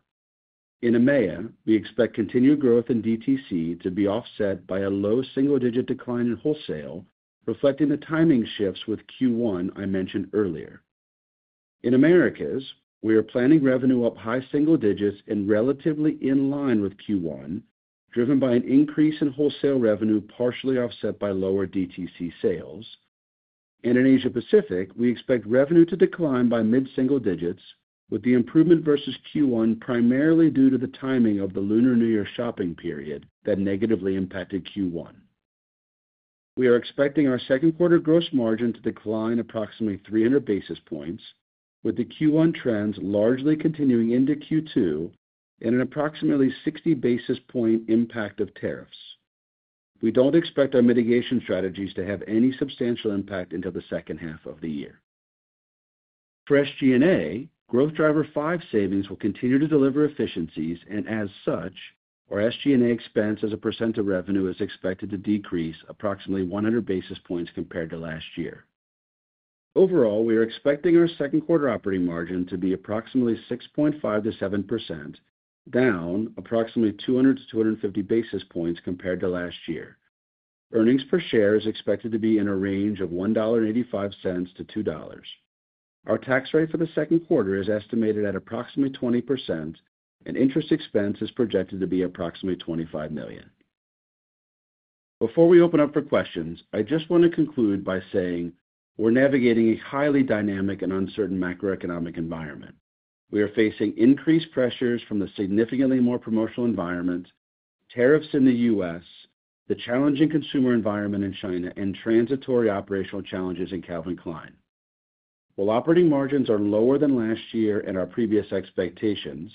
In AMEA, we expect continued growth in DTC to be offset by a low single-digit decline in wholesale, reflecting the timing shifts with Q1 I mentioned earlier. In Americas, we are planning revenue up high single digits and relatively in line with Q1, driven by an increase in wholesale revenue partially offset by lower DTC sales. In Asia-Pacific, we expect revenue to decline by mid-single digits, with the improvement versus Q1 primarily due to the timing of the Lunar New Year shopping period that negatively impacted Q1. We are expecting our second quarter gross margin to decline approximately 300 basis points, with the Q1 trends largely continuing into Q2 and an approximately 60-basis-point impact of tariffs. We do not expect our mitigation strategies to have any substantial impact into the second half of the year. For SG&A, growth [Driver 5] savings will continue to deliver efficiencies, and as such, our SG&A expense as a percent of revenue is expected to decrease approximately 100 basis points compared to last year. Overall, we are expecting our second quarter operating margin to be approximately 6.5%-7%, down approximately 200-250 basis points compared to last year. Earnings per share is expected to be in a range of $1.85-$2. Our tax rate for the second quarter is estimated at approximately 20%, and interest expense is projected to be approximately $25 million. Before we open up for questions, I just want to conclude by saying we're navigating a highly dynamic and uncertain macroeconomic environment. We are facing increased pressures from the significantly more promotional environment, tariffs in the U.S., the challenging consumer environment in China, and transitory operational challenges in Calvin Klein. While operating margins are lower than last year at our previous expectations,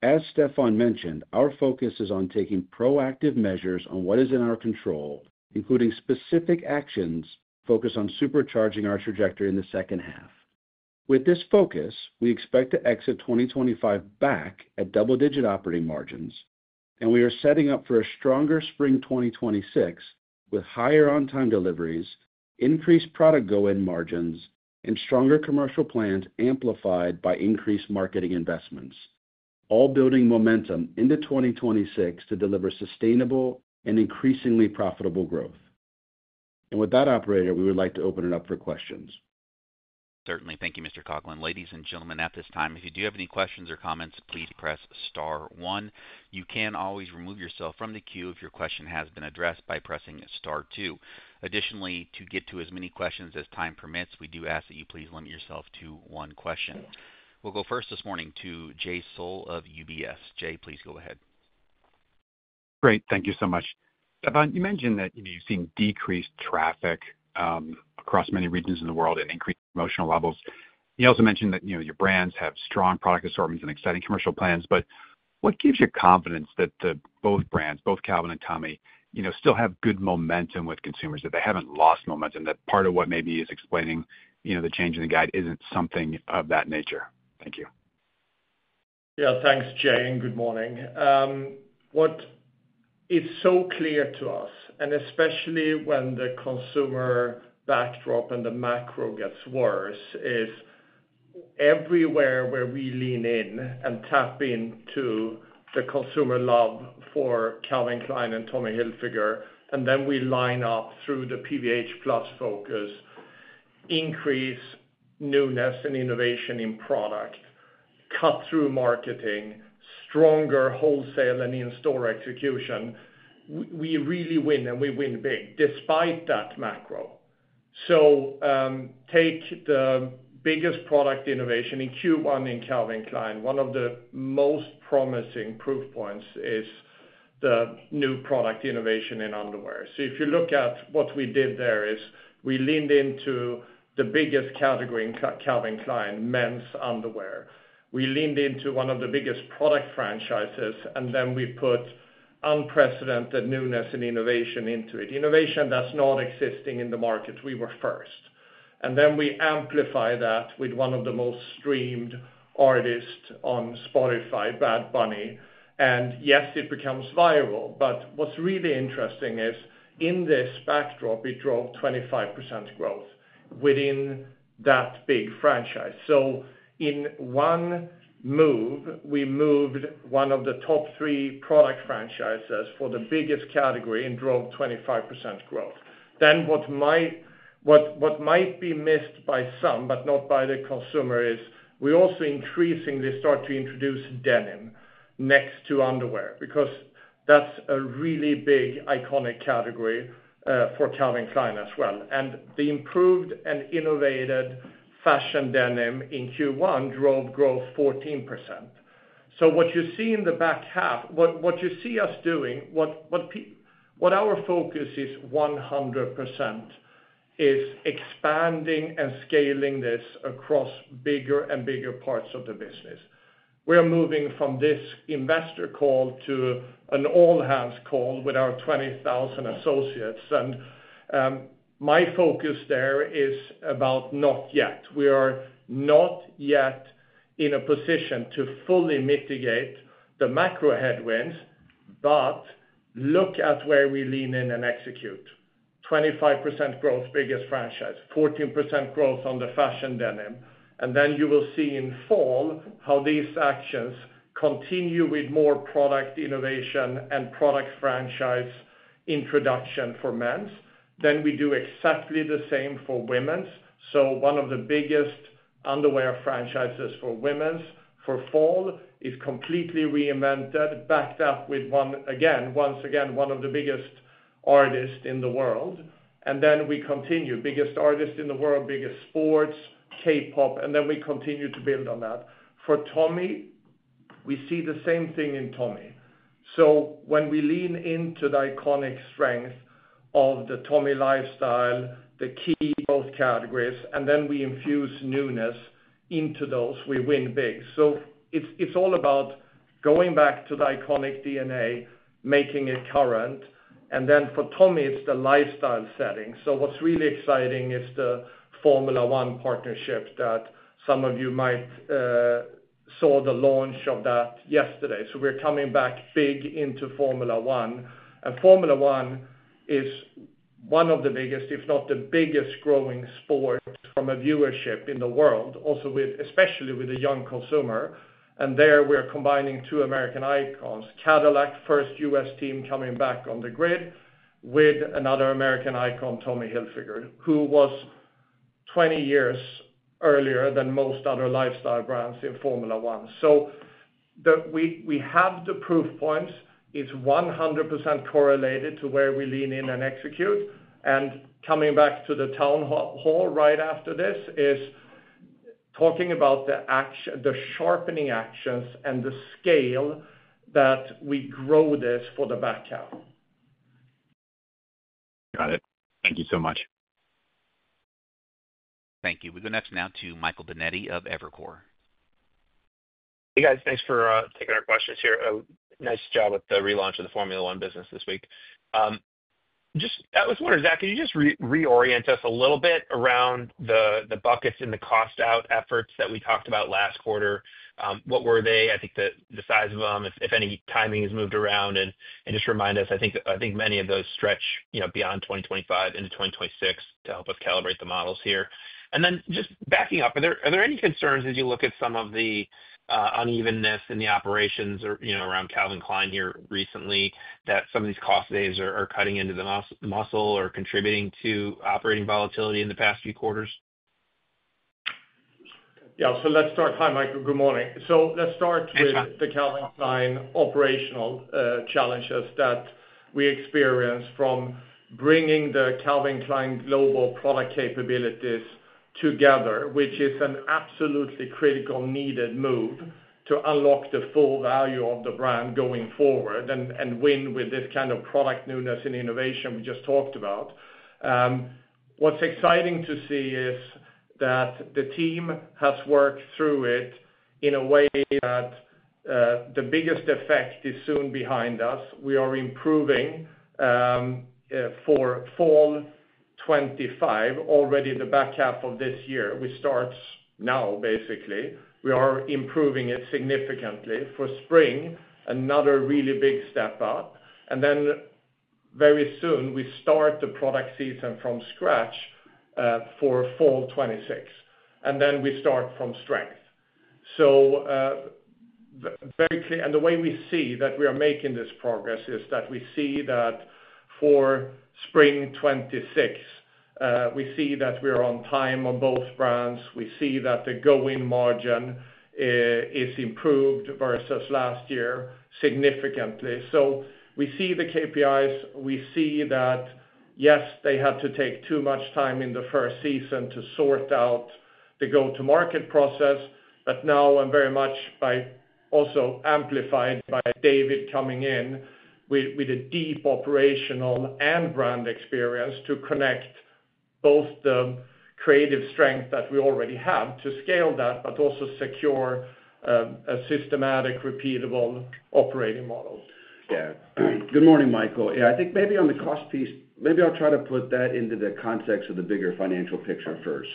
as Stefan mentioned, our focus is on taking proactive measures on what is in our control, including specific actions focused on supercharging our trajectory in the second half. With this focus, we expect to exit 2025 back at double-digit operating margins, and we are setting up for a stronger spring 2026 with higher on-time deliveries, increased product go-in margins, and stronger commercial plans amplified by increased marketing investments, all building momentum into 2026 to deliver sustainable and increasingly profitable growth. With that, Operator, we would like to open it up for questions. Certainly. Thank you, Mr. Coughlin. Ladies and gentlemen, at this time, if you do have any questions or comments, please press star one. You can always remove yourself from the queue if your question has been addressed by pressing star two. Additionally, to get to as many questions as time permits, we do ask that you please limit yourself to one question. We'll go first this morning to Jay Sole of UBS. Jay, please go ahead. Great. Thank you so much. Stefan, you mentioned that you've seen decreased traffic across many regions in the world and increased promotional levels. You also mentioned that your brands have strong product assortments and exciting commercial plans. What gives you confidence that both brands, both Calvin and Tommy, still have good momentum with consumers, that they haven't lost momentum, that part of what maybe is explaining the change in the guide isn't something of that nature? Thank you. Yeah. Thanks, Jay, and good morning. What is so clear to us, and especially when the consumer backdrop and the macro gets worse, is everywhere where we lean in and tap into the consumer love for Calvin Klein and Tommy Hilfiger, and then we line up through the PVH+ focus, increase newness and innovation in product, cut-through marketing, stronger wholesale and in-store execution, we really win, and we win big despite that macro. Take the biggest product innovation in Q1 in Calvin Klein. One of the most promising proof points is the new product innovation in underwear. If you look at what we did there is we leaned into the biggest category in Calvin Klein, men's underwear. We leaned into one of the biggest product franchises, and then we put unprecedented newness and innovation into it, innovation that's not existing in the market. We were first. We amplify that with one of the most streamed artists on Spotify, Bad Bunny. Yes, it becomes viral. What is really interesting is in this backdrop, it drove 25% growth within that big franchise. In one move, we moved one of the top three product franchises for the biggest category and drove 25% growth. What might be missed by some, but not by the consumer, is we also increasingly start to introduce denim next to underwear because that is a really big iconic category for Calvin Klein as well. The improved and innovated fashion denim in Q1 drove growth 14%. What you see in the back half, what you see us doing, what our focus is 100%, is expanding and scaling this across bigger and bigger parts of the business. We are moving from this investor call to an all-hands call with our 20,000 associates. My focus there is about not yet. We are not yet in a position to fully mitigate the macro headwinds, but look at where we lean in and execute; 25% growth biggest franchise, 14% growth on the fashion denim. You will see in fall how these actions continue with more product innovation and product franchise introduction for men's. We do exactly the same for women's. One of the biggest underwear franchises for women's for fall is completely reinvented, backed up with, once again, one of the biggest artists in the world. We continue, biggest artist in the world, biggest sports, K-pop, and we continue to build on that. For Tommy, we see the same thing in Tommy. When we lean into the iconic strength of the Tommy lifestyle, the key growth categories, and then we infuse newness into those, we win big. It is all about going back to the iconic DNA, making it current. For Tommy, it is the lifestyle setting. What is really exciting is the Formula 1 partnership that some of you might have seen the launch of yesterday. We are coming back big into Formula 1. Formula 1 is one of the biggest, if not the biggest growing sport from a viewership in the world, especially with the young consumer. There we are combining two American icons, Cadillac, first U.S. team coming back on the grid, with another American icon, Tommy Hilfiger, who was 20 years earlier than most other lifestyle brands in Formula 1. We have the proof points. It's 100% correlated to where we lean in and execute. Coming back to the town hall right after this is talking about the sharpening actions and the scale that we grow this for the back half. Got it. Thank you so much. Thank you. We go next now to Michael Binetti of Evercore. Hey, guys. Thanks for taking our questions here. Nice job with the relaunch of the Formula 1 business this week. I was wondering, Zac, could you just reorient us a little bit around the buckets and the cost-out efforts that we talked about last quarter? What were they? I think the size of them, if any timing has moved around, and just remind us, I think many of those stretch beyond 2025 into 2026 to help us calibrate the models here. Just backing up, are there any concerns as you look at some of the unevenness in the operations around Calvin Klein here recently that some of these cost days are cutting into the muscle or contributing to operating volatility in the past few quarters? Yeah. Let's start. Hi, Michael. Good morning. Let's start with the Calvin Klein operational challenges that we experienced from bringing the Calvin Klein global product capabilities together, which is an absolutely critical needed move to unlock the full value of the brand going forward and win with this kind of product newness and innovation we just talked about. What's exciting to see is that the team has worked through it in a way that the biggest effect is soon behind us. We are improving for fall 2025, already the back half of this year. We start now, basically. We are improving it significantly. For spring, another really big step up. Very soon, we start the product season from scratch for fall 2026. We start from strength. Very clear. The way we see that we are making this progress is that we see that for spring 2026, we are on time on both brands. We see that the go-in margin is improved versus last year significantly. We see the KPIs. We see that, yes, they had to take too much time in the first season to sort out the go-to-market process. Now, I am very much also amplified by David coming in with a deep operational and brand experience to connect both the creative strength that we already have to scale that, but also secure a systematic, repeatable operating model. Yeah. Good morning, Michael. Yeah. I think maybe on the cost piece, maybe I'll try to put that into the context of the bigger financial picture first.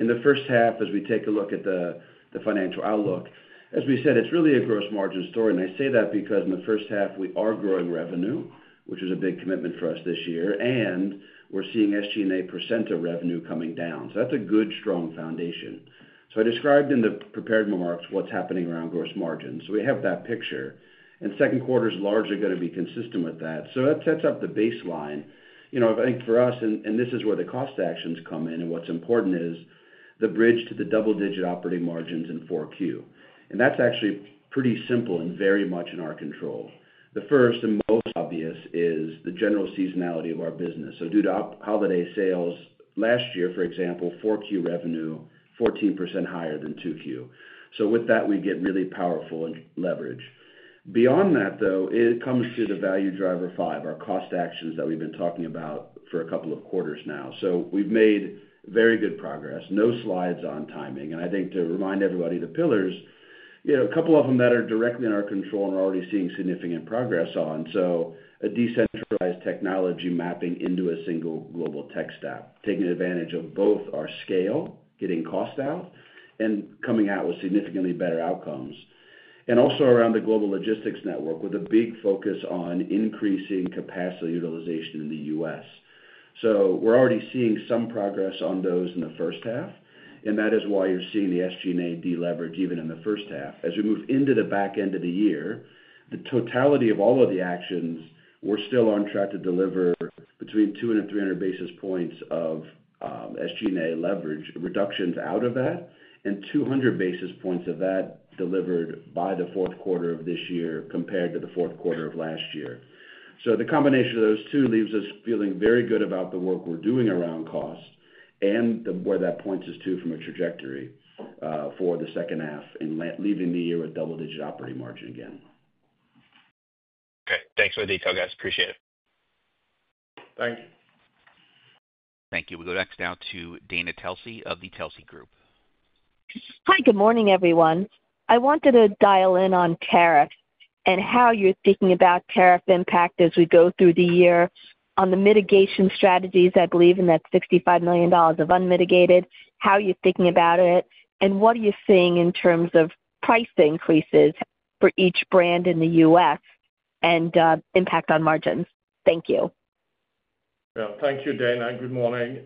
In the first half, as we take a look at the financial outlook, as we said, it's really a gross margin story. I say that because in the first half, we are growing revenue, which is a big commitment for us this year. We're seeing SG&A percent of revenue coming down. That's a good, strong foundation. I described in the prepared remarks what's happening around gross margins. We have that picture. Second quarter is largely going to be consistent with that. That sets up the baseline. I think for us, and this is where the cost actions come in, what's important is the bridge to the double-digit operating margins in 4Q. That is actually pretty simple and very much in our control. The first and most obvious is the general seasonality of our business. Due to holiday sales last year, for example, 4Q revenue was 14% higher than 2Q. With that, we get really powerful leverage. Beyond that, it comes to value [Driver 5], our cost actions that we have been talking about for a couple of quarters now. We have made very good progress. No slides on timing. I think to remind everybody of the pillars, a couple of them are directly in our control and we are already seeing significant progress on them. A decentralized technology mapping into a single global tech staff, taking advantage of both our scale, getting cost out, and coming out with significantly better outcomes. Also around the global logistics network with a big focus on increasing capacity utilization in the US. We're already seeing some progress on those in the first half. That is why you're seeing the SG&A deleverage even in the first half. As we move into the back end of the year, the totality of all of the actions, we're still on track to deliver between 200 and 300 basis points of SG&A leverage reductions out of that and 200 basis points of that delivered by the fourth quarter of this year compared to the fourth quarter of last year. The combination of those two leaves us feeling very good about the work we're doing around cost and where that points us to from a trajectory for the second half and leaving the year with double-digit operating margin again. Okay. Thanks for the detail, guys. Appreciate it. Thank you. Thank you. We go next now to Dana Telsey of the Telsey Group. Hi. Good morning, everyone. I wanted to dial in on tariffs and how you're thinking about tariff impact as we go through the year on the mitigation strategies, I believe, and that's $65 million of unmitigated, how you're thinking about it, and what are you seeing in terms of price increases for each brand in the U.S. and impact on margins. Thank you. Yeah. Thank you, Dana. Good morning.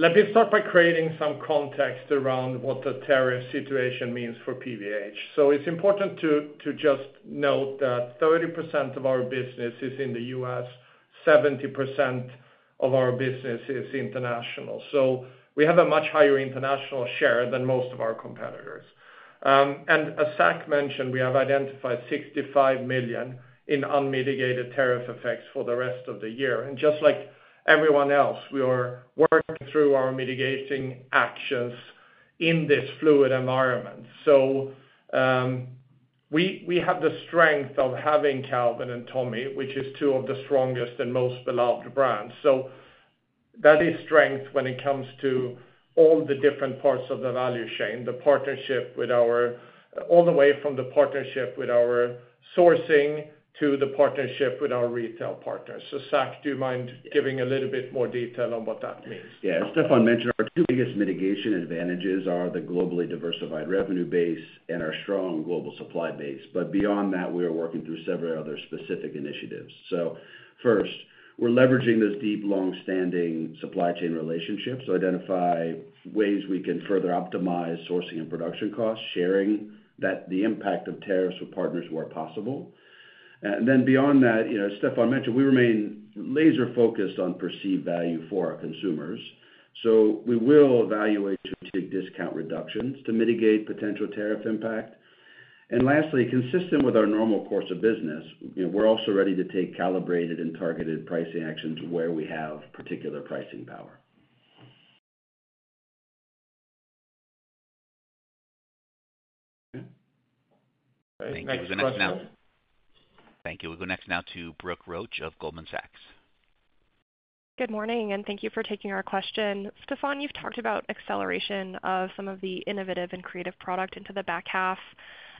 Let me start by creating some context around what the tariff situation means for PVH. It is important to just note that 30% of our business is in the U.S., 70% of our business is international. We have a much higher international share than most of our competitors. As Zac mentioned, we have identified $65 million in unmitigated tariff effects for the rest of the year. Just like everyone else, we are working through our mitigating actions in this fluid environment. We have the strength of having Calvin and Tommy, which is two of the strongest and most beloved brands. That is strength when it comes to all the different parts of the value chain, all the way from the partnership with our sourcing to the partnership with our retail partners. Zac, do you mind giving a little bit more detail on what that means? Yeah. As Stefan mentioned, our two biggest mitigation advantages are the globally diversified revenue base and our strong global supply base. Beyond that, we are working through several other specific initiatives. First, we're leveraging those deep, long-standing supply chain relationships to identify ways we can further optimize sourcing and production costs, sharing the impact of tariffs with partners where possible. Then beyond that, as Stefan mentioned, we remain laser-focused on perceived value for our consumers. We will evaluate strategic discount reductions to mitigate potential tariff impact. Lastly, consistent with our normal course of business, we're also ready to take calibrated and targeted pricing actions where we have particular pricing power. Thank you. We go next now to Brooke Roach of Goldman Sachs. Good morning. Thank you for taking our question. Stefan, you've talked about acceleration of some of the innovative and creative product into the back half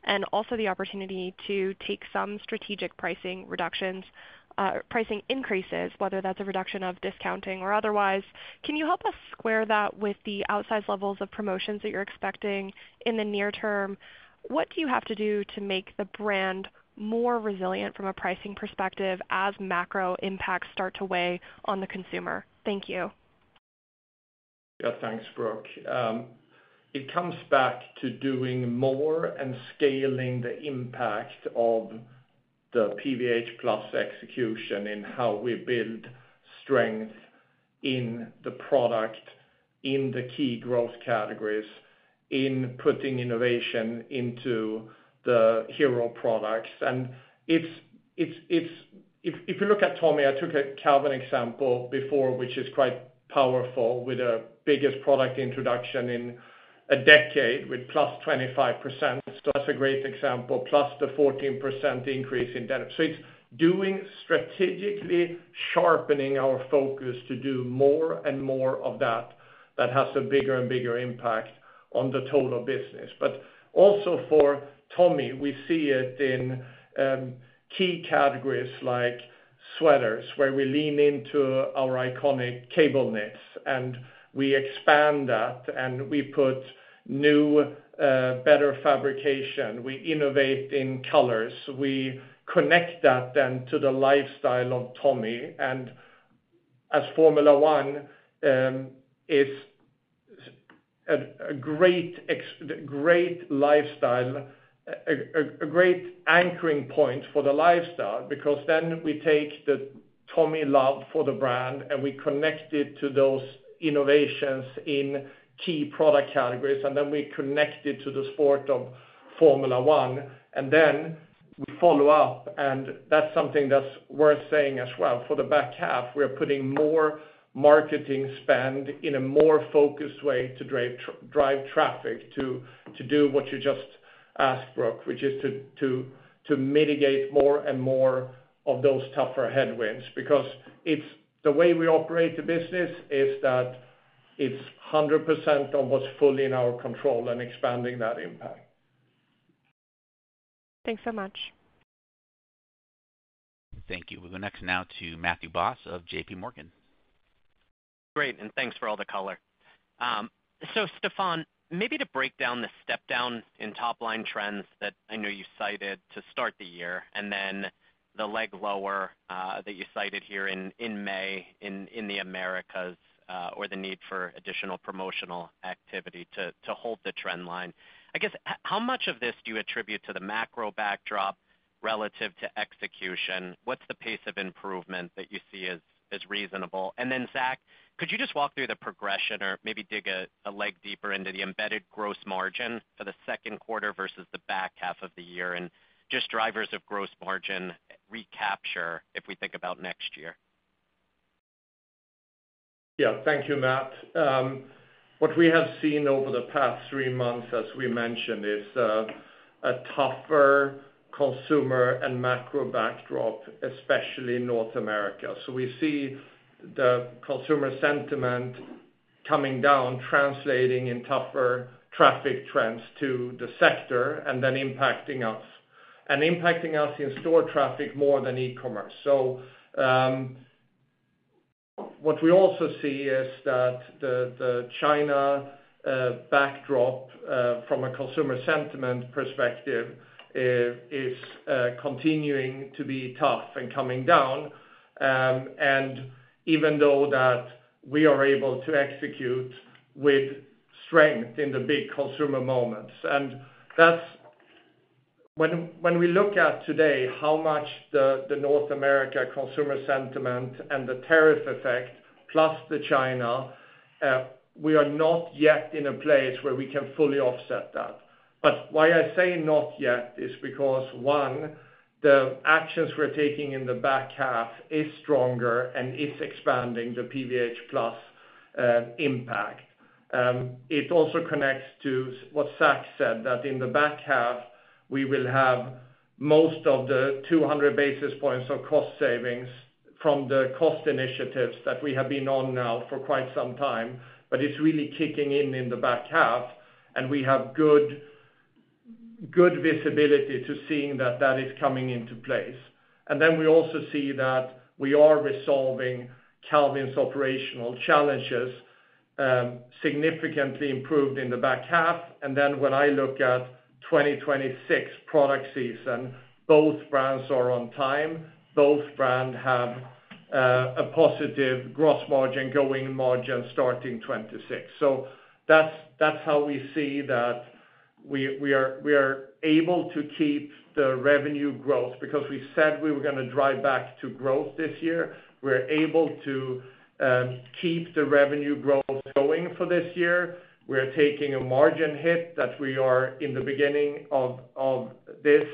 and also the opportunity to take some strategic pricing increases, whether that's a reduction of discounting or otherwise. Can you help us square that with the outsized levels of promotions that you're expecting in the near term? What do you have to do to make the brand more resilient from a pricing perspective as macro impacts start to weigh on the consumer? Thank you. Yeah. Thanks, Brooke. It comes back to doing more and scaling the impact of the PVH+ execution in how we build strength in the product, in the key growth categories, in putting innovation into the hero products. If you look at Tommy, I took a Calvin example before, which is quite powerful with the biggest product introduction in a decade with +25%. That is a great example, plus the 14% increase in denim. It is doing strategically, sharpening our focus to do more and more of that that has a bigger and bigger impact on the total business. For Tommy, we see it in key categories like sweaters, where we lean into our iconic cable knits, and we expand that, and we put new, better fabrication. We innovate in colors. We connect that then to the lifestyle of Tommy. As Formula 1 is a great lifestyle, a great anchoring point for the lifestyle, because then we take the Tommy love for the brand, and we connect it to those innovations in key product categories, and then we connect it to the sport of Formula 1. We follow up. That is something that is worth saying as well. For the back half, we are putting more marketing spend in a more focused way to drive traffic to do what you just asked, Brooke, which is to mitigate more and more of those tougher headwinds. Because the way we operate the business is that it's 100% of what's fully in our control and expanding that impact. Thanks so much. Thank you. We go next now to Matthew Boss of JPMorgan. Great, and thanks for all the color. Stefan, maybe to break down the step-down in top-line trends that I know you cited to start the year and then the leg lower that you cited here in May in the Americas or the need for additional promotional activity to hold the trend line. I guess how much of this do you attribute to the macro backdrop relative to execution? What's the pace of improvement that you see as reasonable? Zac, could you just walk through the progression or maybe dig a leg deeper into the embedded gross margin for the second quarter versus the back half of the year and just drivers of gross margin recapture if we think about next year? Yeah. Thank you, Matt. What we have seen over the past three months, as we mentioned, is a tougher consumer and macro backdrop, especially in North America. We see the consumer sentiment coming down, translating in tougher traffic trends to the sector and then impacting us, and impacting us in store traffic more than e-commerce. What we also see is that the China backdrop from a consumer sentiment perspective is continuing to be tough and coming down, even though we are able to execute with strength in the big consumer moments. When we look at today how much the North America consumer sentiment and the tariff effect plus the China, we are not yet in a place where we can fully offset that. Why I say not yet is because, one, the actions we're taking in the back half is stronger and is expanding the PVH+ impact. It also connects to what Zac said, that in the back half, we will have most of the 200 basis points of cost savings from the cost initiatives that we have been on now for quite some time. It's really kicking in in the back half, and we have good visibility to seeing that that is coming into place. We also see that we are resolving Calvin's operational challenges significantly improved in the back half. When I look at 2026 product season, both brands are on time. Both brands have a positive gross margin, going margin starting 2026. That is how we see that we are able to keep the revenue growth because we said we were going to drive back to growth this year. We are able to keep the revenue growth going for this year. We are taking a margin hit that we are in the beginning of this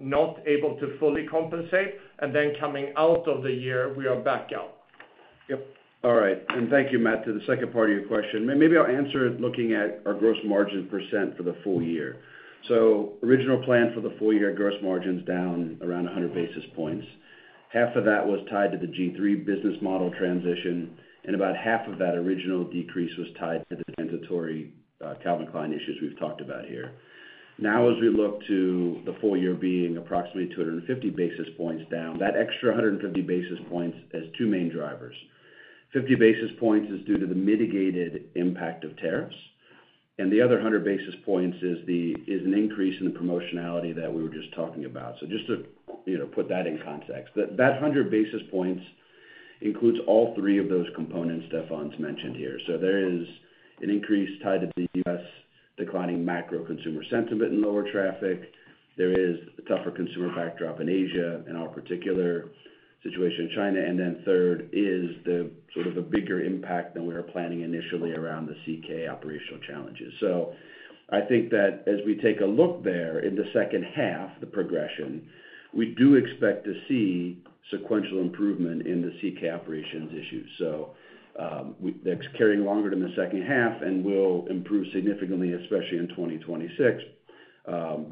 not able to fully compensate. Coming out of the year, we are back out. Yep. All right. Thank you, Matt. To the second part of your question, maybe I will answer it looking at our gross margin percent for the full year. Original plan for the full year, gross margin's down around 100 basis points. Half of that was tied to the G-III business model transition, and about half of that original decrease was tied to the mandatory Calvin Klein issues we've talked about here. Now, as we look to the full year being approximately 250 basis points down, that extra 150 basis points has two main drivers: 50 basis points is due to the mitigated impact of tariffs, and the other 100 basis points is an increase in the promotionality that we were just talking about. Just to put that in context, that 100 basis points includes all three of those components Stefan's mentioned here. There is an increase tied to the U.S. declining macro consumer sentiment and lower traffic. There is a tougher consumer backdrop in Asia and our particular situation in China. Third is sort of a bigger impact than we were planning initially around the CK operational challenges. I think that as we take a look there in the second half, the progression, we do expect to see sequential improvement in the CK operations issues. That is carrying longer than the second half, and we will improve significantly, especially in 2026.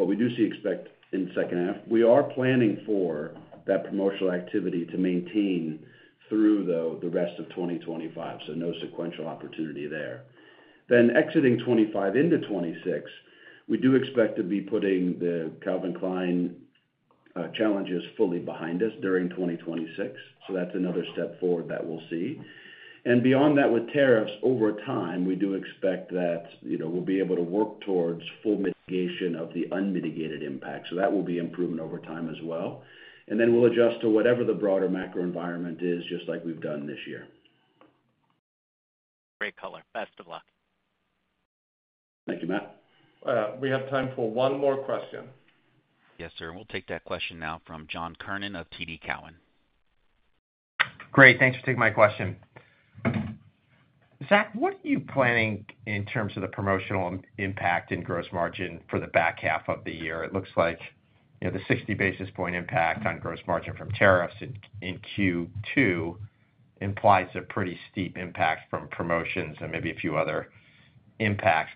We do expect in the second half, we are planning for that promotional activity to maintain through the rest of 2025, so no sequential opportunity there. Exiting 2025 into 2026, we do expect to be putting the Calvin Klein challenges fully behind us during 2026. That is another step forward that we will see. Beyond that, with tariffs over time, we do expect that we will be able to work towards full mitigation of the unmitigated impact. That will be improvement over time as well. Then we'll adjust to whatever the broader macro environment is, just like we've done this year. Great color. Best of luck. Thank you, Matt. We have time for one more question. Yes, sir. We'll take that question now from John Kernan of TD Cowen. Great. Thanks for taking my question. Zac, what are you planning in terms of the promotional impact and gross margin for the back half of the year? It looks like the 60 basis point impact on gross margin from tariffs in Q2 implies a pretty steep impact from promotions and maybe a few other impacts.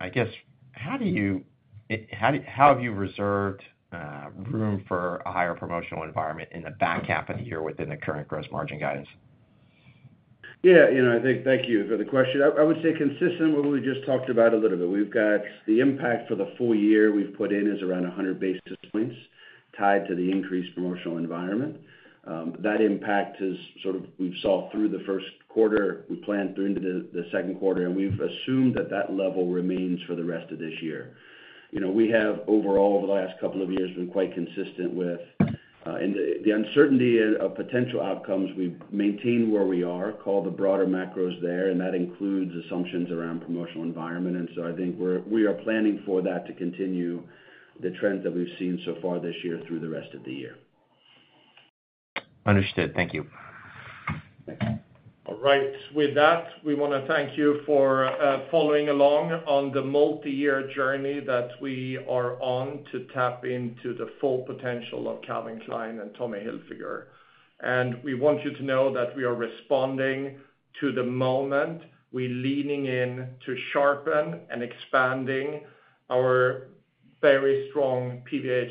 I guess, how have you reserved room for a higher promotional environment in the back half of the year within the current gross margin guidance? Yeah. Thank you for the question. I would say consistent with what we just talked about a little bit. We've got the impact for the full year we've put in is around 100 basis points tied to the increased promotional environment. That impact has sort of we saw through the first quarter. We planned through into the second quarter, and we've assumed that that level remains for the rest of this year. We have overall, over the last couple of years, been quite consistent with the uncertainty of potential outcomes. We maintain where we are, call the broader macros there, and that includes assumptions around promotional environment. I think we are planning for that to continue the trend that we've seen so far this year through the rest of the year. Understood. Thank you. All right. With that, we want to thank you for following along on the multi-year journey that we are on to tap into the full potential of Calvin Klein and Tommy Hilfiger. We want you to know that we are responding to the moment. We're leaning in to sharpen and expanding our very strong PVH+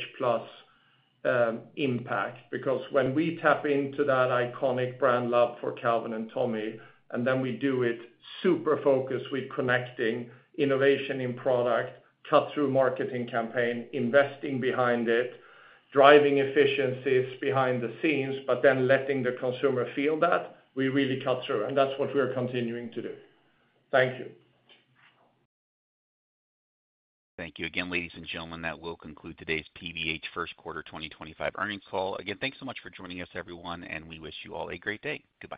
impact because when we tap into that iconic brand love for Calvin and Tommy, and then we do it super focused with connecting innovation in product, cut-through marketing campaign, investing behind it, driving efficiencies behind the scenes, but then letting the consumer feel that, we really cut through. That's what we're continuing to do. Thank you. Thank you again, ladies and gentlemen. That will conclude today's PVH first quarter 2025 earnings call. Again, thanks so much for joining us, everyone, and we wish you all a great day. Goodbye.